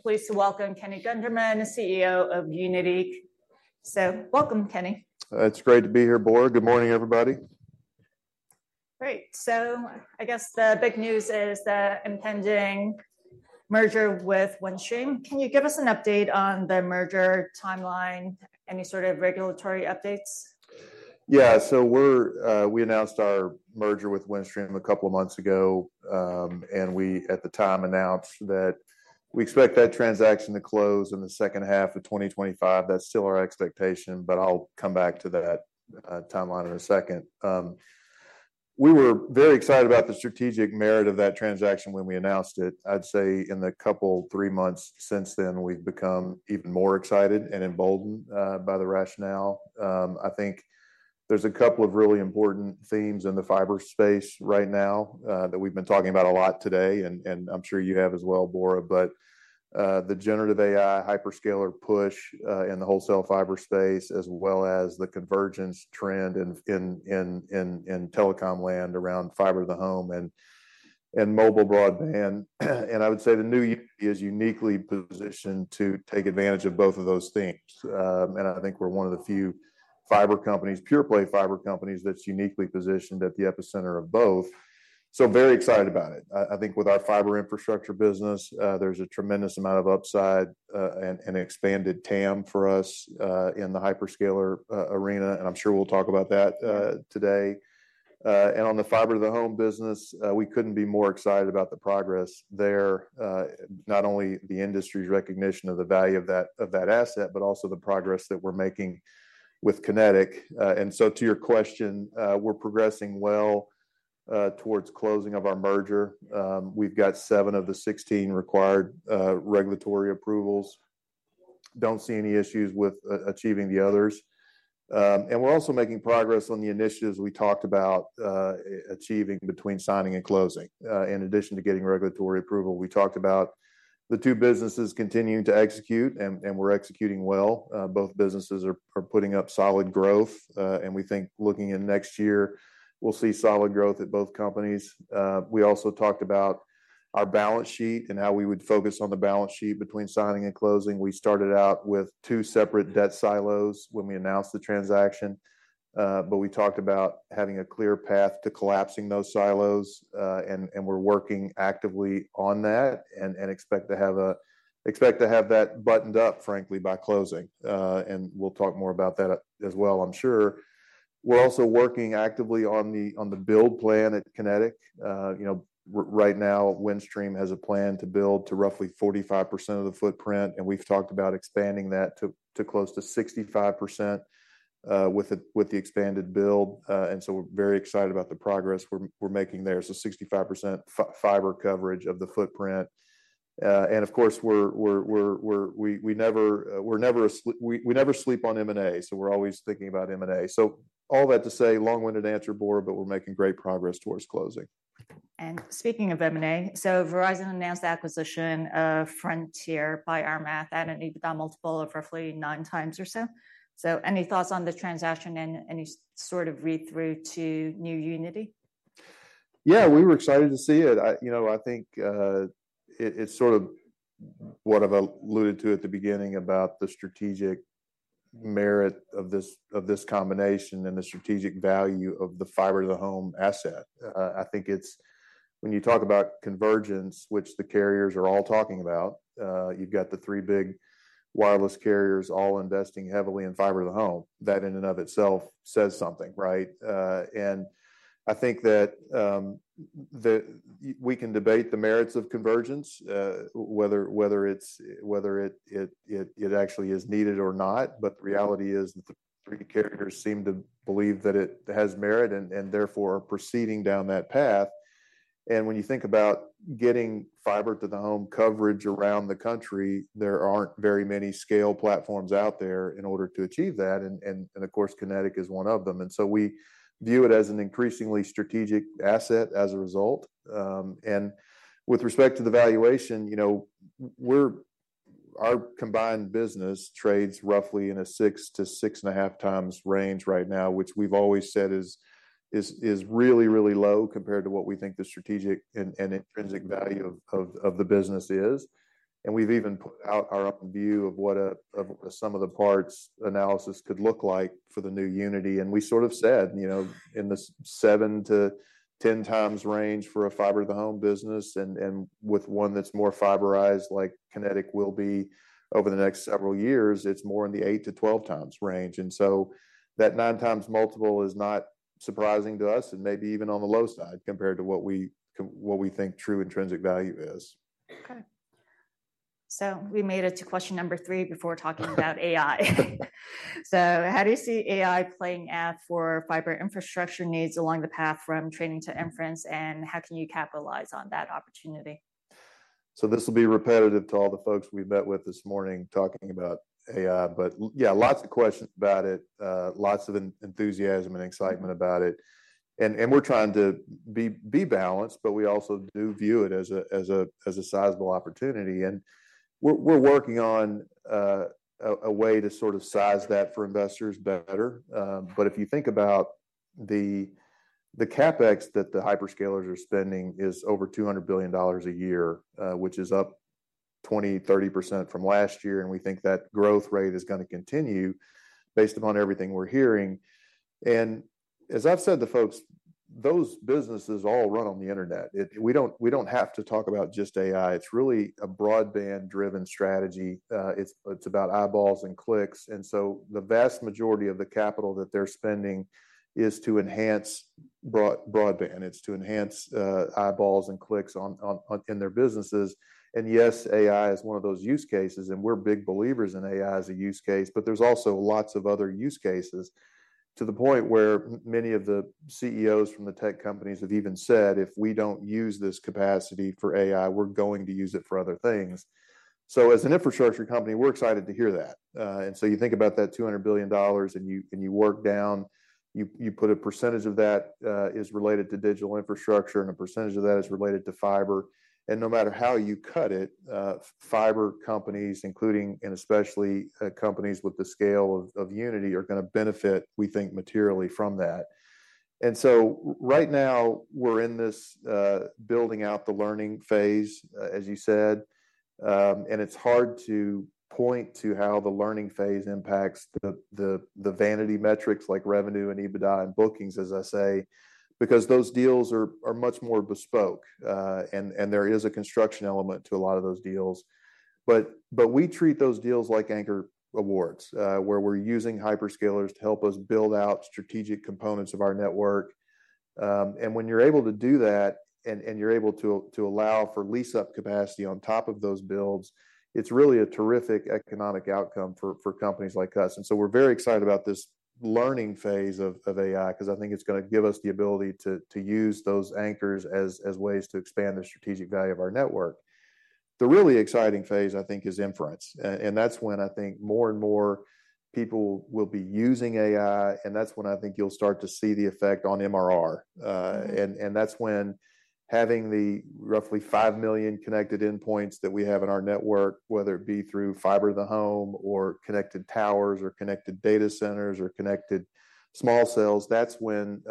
Pleased to welcome Kenny Gunderman, the CEO of Uniti, so welcome, Kenny. It's great to be here, Bora. Good morning, everybody. Great! So I guess the big news is the impending merger with Windstream. Can you give us an update on the merger timeline? Any sort of regulatory updates? Yeah. So we're. We announced our merger with Windstream a couple of months ago, and we, at the time, announced that we expect that transaction to close in the second half of twenty twenty-five. That's still our expectation, but I'll come back to that, timeline in a second. We were very excited about the strategic merit of that transaction when we announced it. I'd say in the couple, three months since then, we've become even more excited and emboldened, by the rationale. I think there's a couple of really important themes in the fiber space right now, that we've been talking about a lot today, and I'm sure you have as well, Bora. But, the generative AI hyperscaler push in the wholesale fiber space, as well as the convergence trend in in in telecom land around fiber to the home, and mobile broadband. And I would say the new Uniti is uniquely positioned to take advantage of both of those things. And I think we're one of the few fiber companies, pure-play fiber companies, that's uniquely positioned at the epicenter of both. So very excited about it. I think with our fiber infrastructure business, there's a tremendous amount of upside, and expanded TAM for us in the hyperscaler arena, and I'm sure we'll talk about that today. And on the fiber to the home business, we couldn't be more excited about the progress there. Not only the industry's recognition of the value of that, of that asset, but also the progress that we're making with Kinetic, and so to your question, we're progressing well towards closing of our merger. We've got seven of the 16 required regulatory approvals. Don't see any issues with achieving the others, and we're also making progress on the initiatives we talked about achieving between signing and closing. In addition to getting regulatory approval, we talked about the two businesses continuing to execute, and we're executing well. Both businesses are putting up solid growth, and we think looking in next year, we'll see solid growth at both companies. We also talked about our balance sheet and how we would focus on the balance sheet between signing and closing. We started out with two separate debt silos when we announced the transaction, but we talked about having a clear path to collapsing those silos. And we're working actively on that and expect to have that buttoned up, frankly, by closing. And we'll talk more about that as well, I'm sure. We're also working actively on the build plan at Kinetic. You know, right now, Windstream has a plan to build to roughly 45% of the footprint, and we've talked about expanding that to close to 65% with the, with the expanded build. And so we're very excited about the progress we're making there. So 65% fiber coverage of the footprint. And of course, we're we're we're, we never we never sleep on M&A, so we're always thinking about M&A. So all that to say, long-winded answer, Bora, but we're making great progress towards closing. And speaking of M&A, Verizon announced the acquisition of Frontier. By our math, at an EBITDA multiple of roughly nine times or so. Any thoughts on the transaction, and any sort of read-through to new Uniti? Yeah, we were excited to see it. You know, I think it's sort of what I've alluded to at the beginning about the strategic merit of this, of this combination and the strategic value of the fiber to the home asset. I think it's when you talk about convergence, which the carriers are all talking about, you've got the three big wireless carriers all investing heavily in fiber to the home. That, in and of itself, says something, right? And I think that we can debate the merits of convergence, whether, whether it's actually needed or not, but the reality is that the three carriers seem to believe that it has merit, and therefore are proceeding down that path. And when you think about getting fiber to the home coverage around the country, there aren't very many scale platforms out there in order to achieve that. Of course, Kinetic is one of them, and so we view it as an increasingly strategic asset as a result. And with respect to the valuation, you know, our combined business trades roughly in a six to six-and-a-half times range right now, which we've always said is is really low compared to what we think the strategic and intrinsic value of the business is. And we've even put out our own view of what a sum of the parts analysis could look like for the new Uniti. And we sort of said, you know, in the seven to 10 times range for a fiber to the home business, and with one that's more fiberized, like Kinetic will be over the next several years, it's more in the eight to 12 times range. And so that 9 times multiple is not surprising to us and maybe even on the low side compared to what we, what we think true intrinsic value is. Okay. So we made it to question number three before talking about AI. So how do you see AI playing out for fiber infrastructure needs along the path from training to inference, and how can you capitalize on that opportunity? This will be repetitive to all the folks we've met with this morning talking about AI. But, yeah, lots of questions about it, lots of enthusiasm and excitement about it. And we're trying to be balanced, but we also do view it as a sizable opportunity, and we're working on a way to sort of size that for investors better. But if you think about the CapEx that the hyperscalers are spending is over $200 billion a year, which is up 20%-30% from last year, and we think that growth rate is gonna continue based upon everything we're hearing. And as I've said to folks, those businesses all run on the internet. We don't have to talk about just AI. It's really a broadband-driven strategy. It's about eyeballs and clicks, and so the vast majority of the capital that they're spending is to enhance broadband. It's to enhance eyeballs and clicks on in their businesses, and yes, AI is one of those use cases, and we're big believers in AI as a use case, but there's also lots of other use cases, to the point where many of the CEOs from the tech companies have even said: "If we don't use this capacity for AI, we're going to use it for other things." As an infrastructure company, we're excited to hear that, and so you think about that $200 billion, and you work down, you put a percentage of that is related to digital infrastructure, and a percentage of that is related to fiber. No matter how you cut it, fiber companies, including and especially companies with the scale of Uniti, are gonna benefit, we think, materially from that. And so right now, we're in this building out the learning phase, as you said. It's hard to point to how the learning phase impacts the the vanity metrics like revenue and EBITDA and bookings, as I say, because those deals are much more bespoke. And there is a construction element to a lot of those deals. But we treat those deals like anchor awards, where we're using hyperscalers to help us build out strategic components of our network. And when you're able to do that, and you're able to allow for lease-up capacity on top of those builds, it's really a terrific economic outcome for companies like us. And so we're very excited about this learning phase of AI, 'cause I think it's gonna give us the ability to use those anchors as ways to expand the strategic value of our network. The really exciting phase, I think, is inference. And that's when I think more and more people will be using AI, and that's when I think you'll start to see the effect on MRR. And that's when having the roughly five million connected endpoints that we have in our network, whether it be through fiber to the home, or connected towers, or connected data centers, or connected small cells. That's when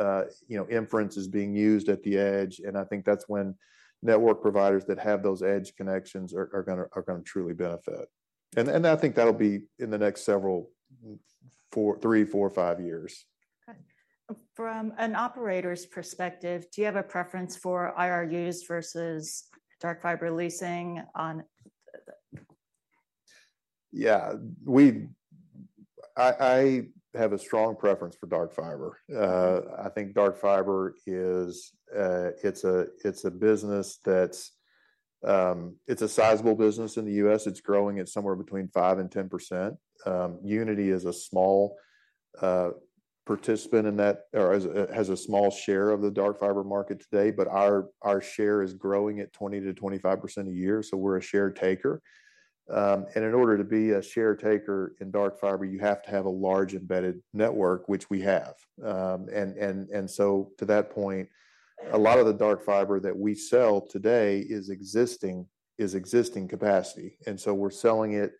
you know, inference is being used at the edge. I think that's when network providers that have those edge connections are gonna truly benefit. I think that'll be in the next several three, four, or five years. Okay. From an operator's perspective, do you have a preference for IRUs versus dark fiber leasing on? Yeah. I have a strong preference for dark fiber. I think dark fiber is a, is a sizable business in the U.S. It's growing at somewhere between 5% and 10%. Uniti is a small participant in that or has a small share of the dark fiber market today, but our our share is growing at 20%-25% a year, so we're a share taker, and in order to be a share taker in dark fiber, you have to have a large embedded network, which we have. And and so to that point, a lot of the dark fiber that we sell today is existing capacity, and so we're selling it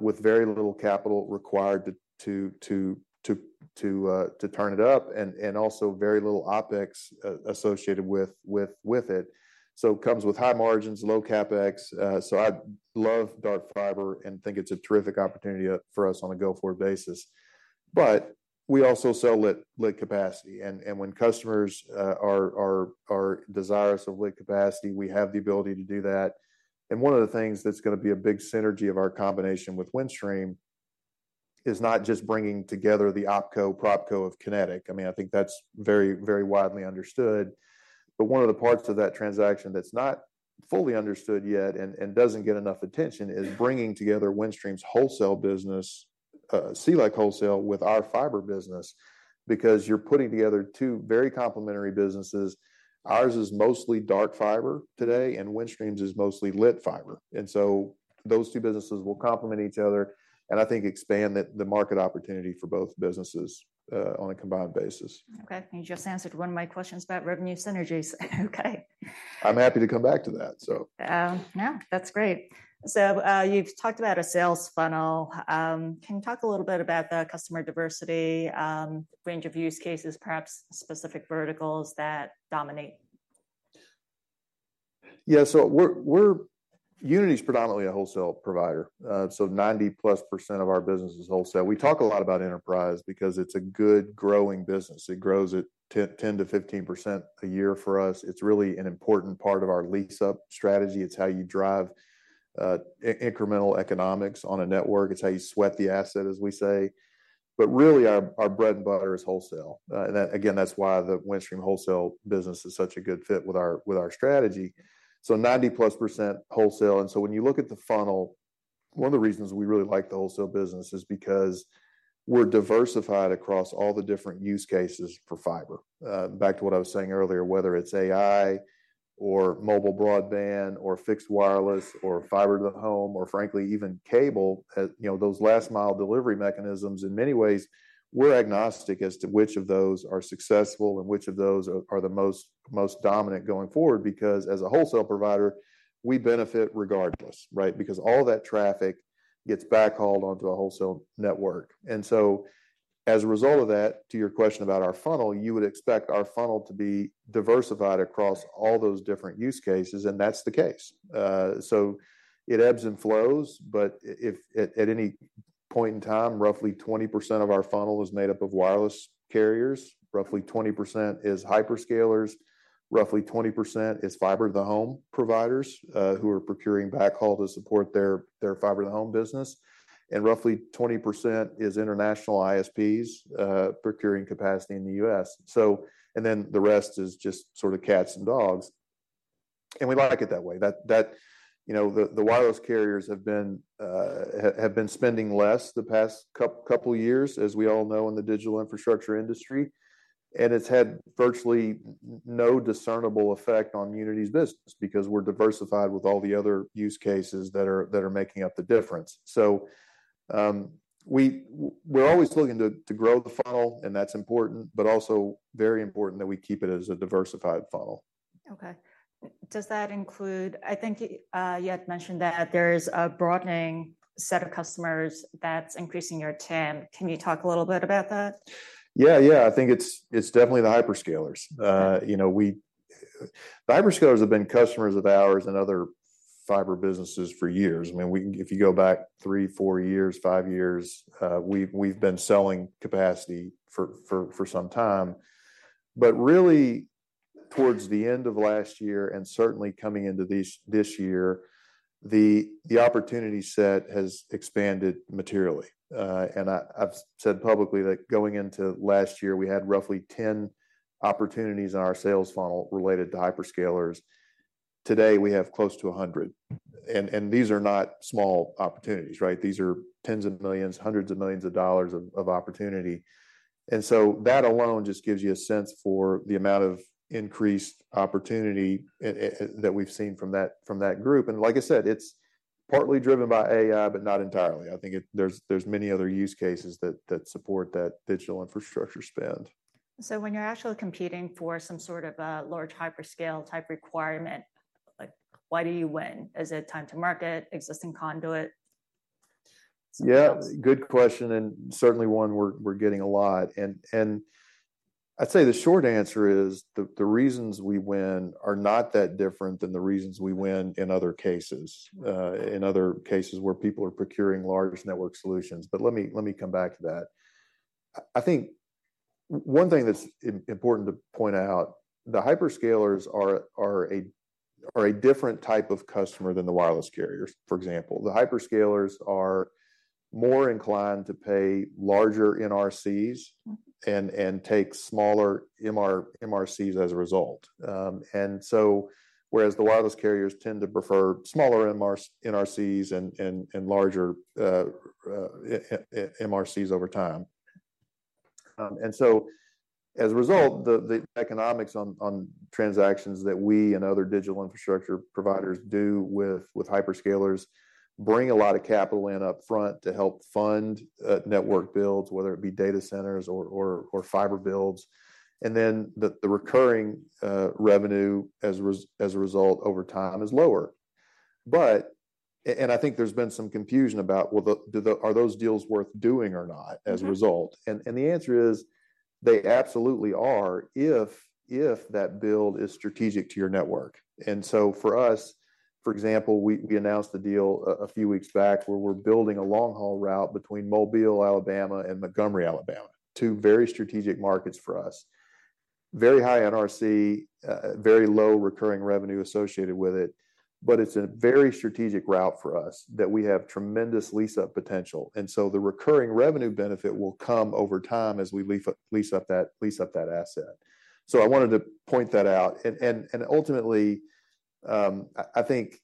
with very little capital required to to to turn it up, and also very little OpEx associated with with it. So comes with high margins, low CapEx. So I love dark fiber and think it's a terrific opportunity for us on a go-forward basis. But we also sell lit capacity, and when customers are are are desirous of lit capacity, we have the ability to do that. And one of the things that's gonna be a big synergy of our combination with Windstream is not just bringing together the OpCo/PropCo of Kinetic. I mean, I think that's very, very widely understood. But one of the parts of that transaction that's not fully understood yet and doesn't get enough attention is bringing together Windstream's wholesale business, carrier-like wholesale, with our fiber business, because you're putting together two very complementary businesses. Ours is mostly dark fiber today, and Windstream's is mostly lit fiber, and so those two businesses will complement each other and I think expand the market opportunity for both businesses, on a combined basis. Okay, you just answered one of my questions about revenue synergies. Okay. I'm happy to come back to that, so. No, that's great. So, you've talked about a sales funnel. Can you talk a little bit about the customer diversity, range of use cases, perhaps specific verticals that dominate? Yeah. So we're we're-- Uniti is predominantly a wholesale provider, so 90-plus% of our business is wholesale. We talk a lot about enterprise because it's a good, growing business. It grows at 10 to 15% a year for us. It's really an important part of our lease-up strategy. It's how you drive incremental economics on a network. It's how you sweat the asset, as we say. But really, our bread and butter is wholesale. And again, that's why the Windstream wholesale business is such a good fit with our strategy. So 90-plus% wholesale, and so when you look at the funnel, one of the reasons we really like the wholesale business is because we're diversified across all the different use cases for fiber. Back to what I was saying earlier, whether it's AI, or mobile broadband, or fixed wireless, or fiber to the home, or frankly, even cable, you know, those last mile delivery mechanisms, in many ways, we're agnostic as to which of those are successful and which of those are the most most dominant going forward, because as a wholesale provider, we benefit regardless, right? Because all that traffic gets backhauled onto a wholesale network. And so as a result of that, to your question about our funnel, you would expect our funnel to be diversified across all those different use cases, and that's the case. So it ebbs and flows, but if at any point in time, roughly 20% of our funnel is made up of wireless carriers, roughly 20% is hyperscalers, roughly 20% is fiber to the home providers who are procuring backhaul to support their their fiber to the home business, and roughly 20% is international ISPs procuring capacity in the U.S. So and then the rest is just sort of cats and dogs, and we like it that way. That you know the wireless carriers have been spending less the past couple years, as we all know, in the digital infrastructure industry, and it's had virtually no discernible effect on Uniti's business, because we're diversified with all the other use cases that are making up the difference. So we're always looking to grow the funnel, and that's important, but also very important that we keep it as a diversified funnel. Okay. Does that include—I think, you had mentioned that there's a broadening set of customers that's increasing your TAM. Can you talk a little bit about that? Yeah, yeah, I think it's definitely the hyperscalers. You know, the hyperscalers have been customers of ours and other fiber businesses for years. I mean, we can if you go back three, four years, five years, we've been selling capacity for for some time. But really, towards the end of last year, and certainly coming into this year, the opportunity set has expanded materially. And I've said publicly that going into last year, we had roughly 10 opportunities in our sales funnel related to hyperscalers. Today, we have close to 100, and these are not small opportunities, right? These are tens of millions, hundreds of millions of dollars of opportunity. And so that alone just gives you a sense for the amount of increased opportunity that we've seen from that, from that group. Like I said, it's partly driven by AI, but not entirely. I think it. There's there's many other use cases that support that digital infrastructure spend. So when you're actually competing for some sort of a large hyperscale type requirement, like, why do you win? Is it time to market, existing conduit, something else? Yeah, good question, and certainly one we're getting a lot. And and I'd say the short answer is the reasons we win are not that different than the reasons we win in other cases, in other cases where people are procuring large network solutions. But let me come back to that. I think one thing that's important to point out, the hyperscalers are are a different type of customer than the wireless carriers, for example. The hyperscalers are more inclined to pay larger NRCs- Mm-hmm. And take smaller MRCs as a result. And so whereas the wireless carriers tend to prefer smaller NRCs and larger MRCs over time. And so as a result, the economics on transactions that we and other digital infrastructure providers do with hyperscalers bring a lot of capital in upfront to help fund network builds, whether it be data centers or or fiber builds. And then the recurring revenue, as a, as a result, over time, is lower. But. And I think there's been some confusion about, well, are those deals worth doing or not- Mm-hmm. As a result? The answer is: they absolutely are if if that build is strategic to your network. So for us, for example, we announced the deal a few weeks back, where we're building a long-haul route between Mobile, Alabama, and Montgomery, Alabama, two very strategic markets for us. Very high NRC, very low recurring revenue associated with it, but it's a very strategic route for us that we have tremendous lease-up potential. And so the recurring revenue benefit will come over time as we lease up that asset. So I wanted to point that out. And the ultimately, I think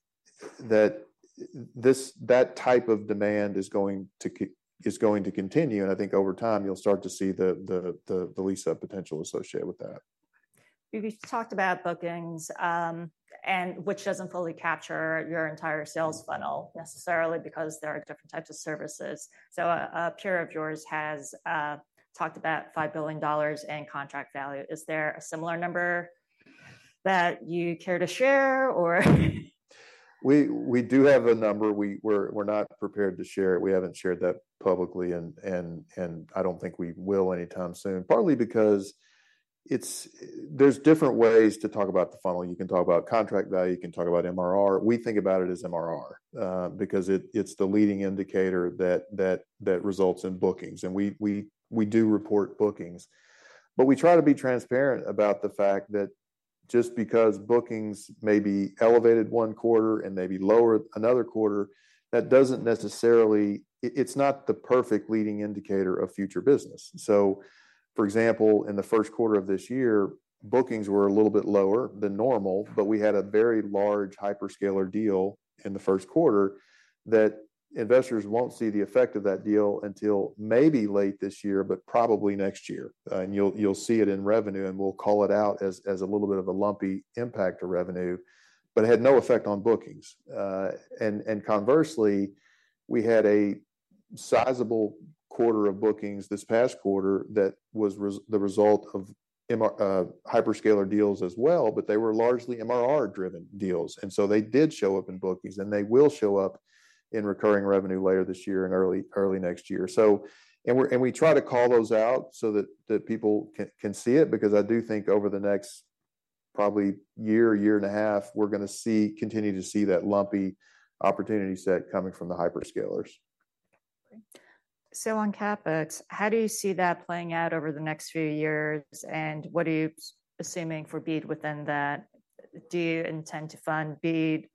that type of demand is going to, is going to continue, and I think over time, you'll start to see the the the lease up potential associated with that. We've talked about bookings, and which doesn't fully capture your entire sales funnel necessarily because there are different types of services. So a peer of yours has talked about $5 billion in contract value. Is there a similar number that you care to share, or...? We do have a number. We're not prepared to share it. We haven't shared that publicly, and and I don't think we will anytime soon. Partly because it's, there's different ways to talk about the funnel. You can talk about contract value, you can talk about MRR. We think about it as MRR because it's the leading indicator that that results in bookings, and we we we do report bookings. But we try to be transparent about the fact that just because bookings may be elevated one quarter and may be lower another quarter, that doesn't necessarily, it's not the perfect leading indicator of future business. And so for example, in the first quarter of this year, bookings were a little bit lower than normal, but we had a very large hyperscaler deal in the first quarter that investors won't see the effect of that deal until maybe late this year, but probably next year. And you'll see it in revenue, and we'll call it out as a little bit of a lumpy impact to revenue, but it had no effect on bookings. And conversely, we had a sizable quarter of bookings this past quarter that was the result of MRR hyperscaler deals as well, but they were largely MRR-driven deals. And so they did show up in bookings, and they will show up in recurring revenue later this year and early next year. And we try to call those out so that the people can see it, because I do think over the next probably year, year and a half, we're gonna see continue to see that lumpy opportunity set coming from the hyperscalers. Great. So on CapEx, how do you see that playing out over the next few years, and what are you assuming for BEAD within that? Do you intend to fund BEAD,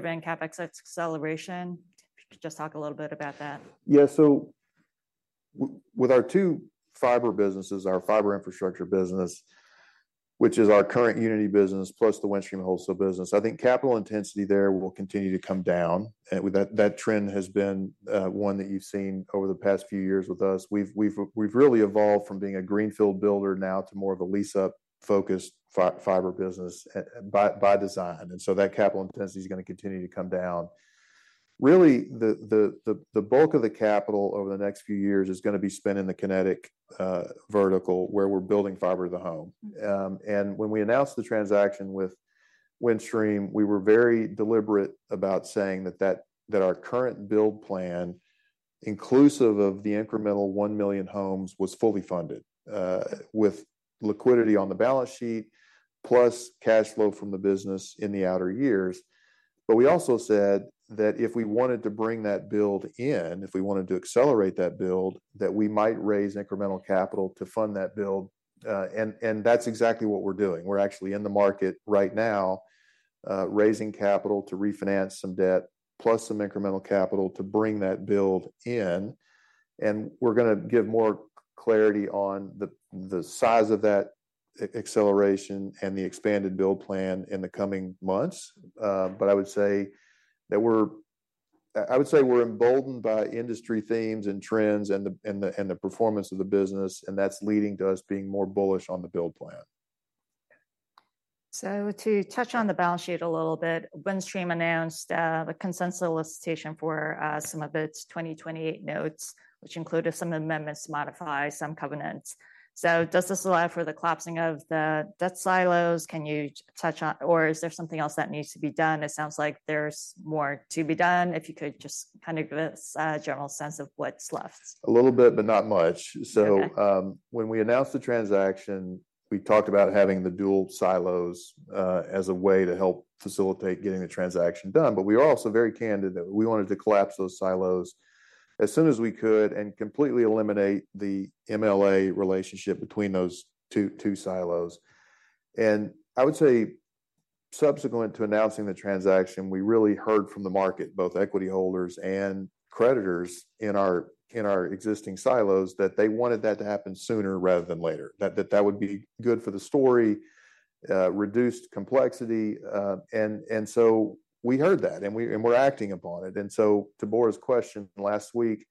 driven CapEx acceleration? Just talk a little bit about that. Yeah. So with our two fiber businesses, our fiber infrastructure business, which is our current Uniti business, plus the Windstream Wholesale business, I think capital intensity there will continue to come down. That trend has been one that you've seen over the past few years with us. We've we've really evolved from being a greenfield builder now to more of a lease-up-focused fiber business by design, and so that capital intensity is gonna continue to come down. Really, the the the bulk of the capital over the next few years is going to be spent in the Kinetic vertical, where we're building fiber to the home. And when we announced the transaction with Windstream, we were very deliberate about saying that our current build plan, inclusive of the incremental one million homes, was fully funded with liquidity on the balance sheet, plus cash flow from the business in the outer years. But we also said that if we wanted to bring that build in, if we wanted to accelerate that build, that we might raise incremental capital to fund that build. And that's exactly what we're doing. We're actually in the market right now, raising capital to refinance some debt, plus some incremental capital to bring that build in. And we're gonna give more clarity on the size of that acceleration and the expanded build plan in the coming months. But I would say that we're, I would say we're emboldened by industry themes and trends and the performance of the business, and that's leading to us being more bullish on the build plan. So to touch on the balance sheet a little bit, Windstream announced a consent solicitation for some of its 2028 notes, which included some amendments to modify some covenants. So does this allow for the collapsing of the debt silos? Can you touch on or is there something else that needs to be done? It sounds like there's more to be done. If you could just kind of give us a general sense of what's left. A little bit, but not much. Okay. So, when we announced the transaction, we talked about having the dual silos as a way to help facilitate getting the transaction done. But we were also very candid that we wanted to collapse those silos as soon as we could and completely eliminate the MLA relationship between those two two silos. And I would say subsequent to announcing the transaction, we really heard from the market, both equity holders and creditors in our, in our existing silos, that they wanted that to happen sooner rather than later. That would be good for the story, reduced complexity. And and so we heard that, and we're acting upon it. And so to Bora's question, last week,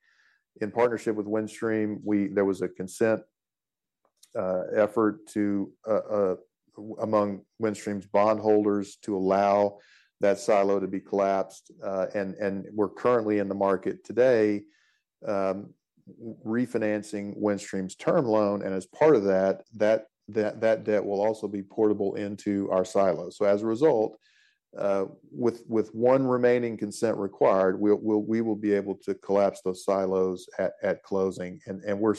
in partnership with Windstream, there was a consent effort to among Windstream's bondholders to allow that silo to be collapsed. And and we're currently in the market today, refinancing Windstream's term loan, and as part of that, that debt will also be portable into our silos. So as a result, with with one remaining consent required, we will be able to collapse those silos at closing, and we're.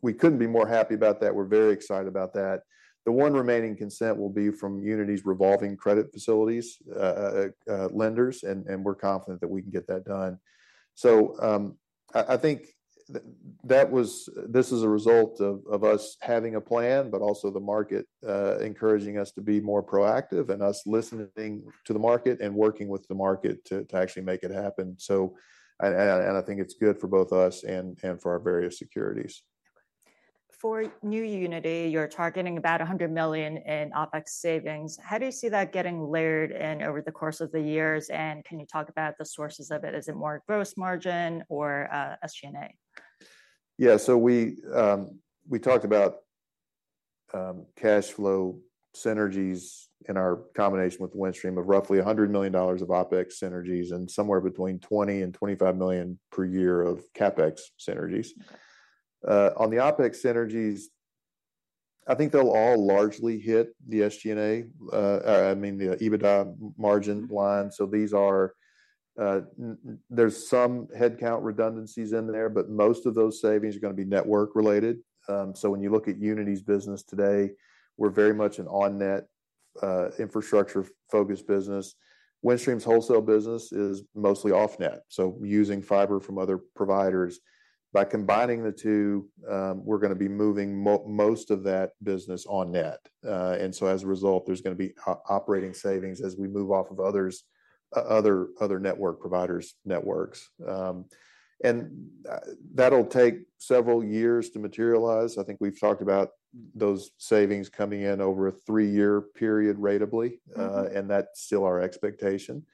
We couldn't be more happy about that. We're very excited about that. The one remaining consent will be from Uniti's revolving credit facilities, lenders, and we're confident that we can get that done. So, I think that this is a result of us having a plan, but also the market encouraging us to be more proactive, and us listening to the market and working with the market to actually make it happen. So I think it's good for both us and for our various securities. For new Uniti, you're targeting about $100 million in OpEx savings. How do you see that getting layered in over the course of the years, and can you talk about the sources of it? Is it more gross margin or SG&A? Yeah. So we, we talked about cash flow synergies in our combination with Windstream of roughly $100 million of OpEx synergies and somewhere between $20-$25 million per year of CapEx synergies. On the OpEx synergies, I think they'll all largely hit the SG&A, I mean, the EBITDA margin line. So these are, there's some headcount redundancies in there, but most of those savings are going to be network related. So when you look at Uniti's business today, we're very much an on-net infrastructure-focused business. Windstream's wholesale business is mostly off-net, so using fiber from other providers. By combining the two, we're gonna be moving most of that business on-net. And so as a result, there's gonna be operating savings as we move off of other other network providers' networks. And that'll take several years to materialize. I think we've talked about those savings coming in over a three-year period ratably. Mm-hmm. That's still our expectation.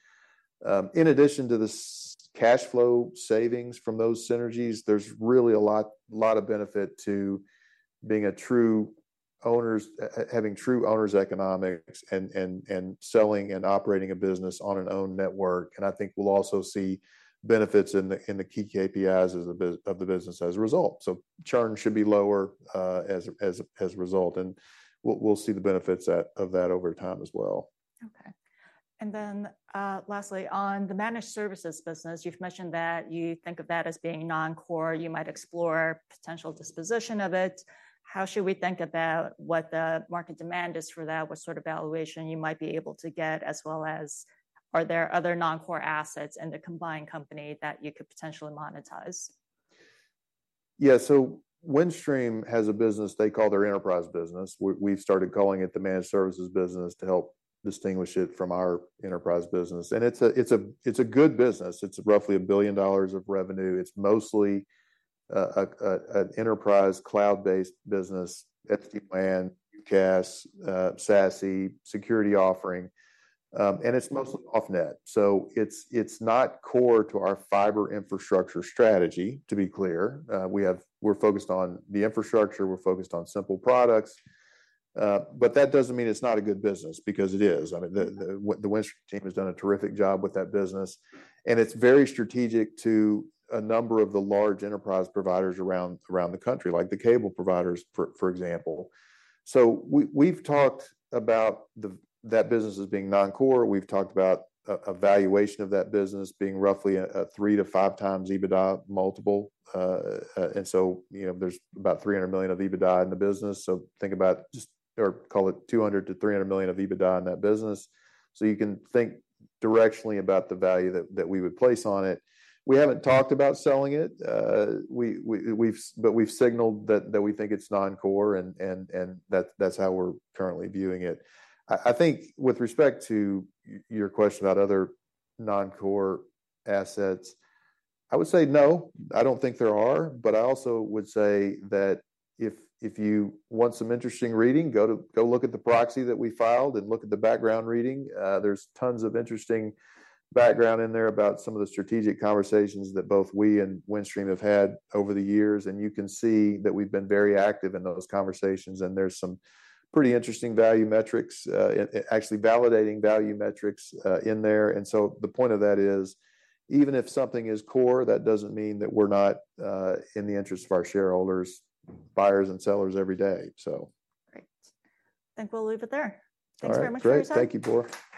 In addition to the cash flow savings from those synergies, there's really a lot of benefit to being a true owner having true owners' economics and selling and operating a business on an own network. I think we'll also see benefits in the key KPIs of the business as a result. Churn should be lower as a as a result, and we'll see the benefits of that over time as well. Okay. And then, lastly, on the managed services business, you've mentioned that you think of that as being non-core. You might explore potential disposition of it. How should we think about what the market demand is for that? What sort of valuation you might be able to get, as well as are there other non-core assets in the combined company that you could potentially monetize? Yeah. So Windstream has a business they call their enterprise business. We've started calling it the managed services business to help distinguish it from our enterprise business. And it's a,it's a good business. It's roughly $1 billion of revenue. It's mostly an an an enterprise cloud-based business, SD-WAN, UCaaS, SASE, security offering, and it's mostly off-net. So it's it's not core to our fiber infrastructure strategy, to be clear. We have, we're focused on the infrastructure, we're focused on simple products, but that doesn't mean it's not a good business, because it is. I mean, the Windstream team has done a terrific job with that business, and it's very strategic to a number of the large enterprise providers around the country, like the cable providers, for example. So we've talked about that business as being non-core. We've talked about a valuation of that business being roughly a 3-5 times EBITDA multiple. And so, you know, there's about $300 million of EBITDA in the business. So think about just or call it $200-$300 million of EBITDA in that business. So you can think directionally about the value that we would place on it. We haven't talked about selling it. But we've signaled that we think it's non-core, and and that's how we're currently viewing it. I think with respect to your question about other non-core assets, I would say no, I don't think there are, but I also would say that if if you want some interesting reading, go to... Go look at the proxy that we filed and look at the background reading. There's tons of interesting background in there about some of the strategic conversations that both we and Windstream have had over the years, and you can see that we've been very active in those conversations. There's some pretty interesting value metrics, actually validating value metrics, in there. So the point of that is, even if something is core, that doesn't mean that we're not, in the interest of our shareholders, buyers and sellers every day, so. Great. I think we'll leave it there. All right. Thanks very much for your time. Great. Thank you, Bora.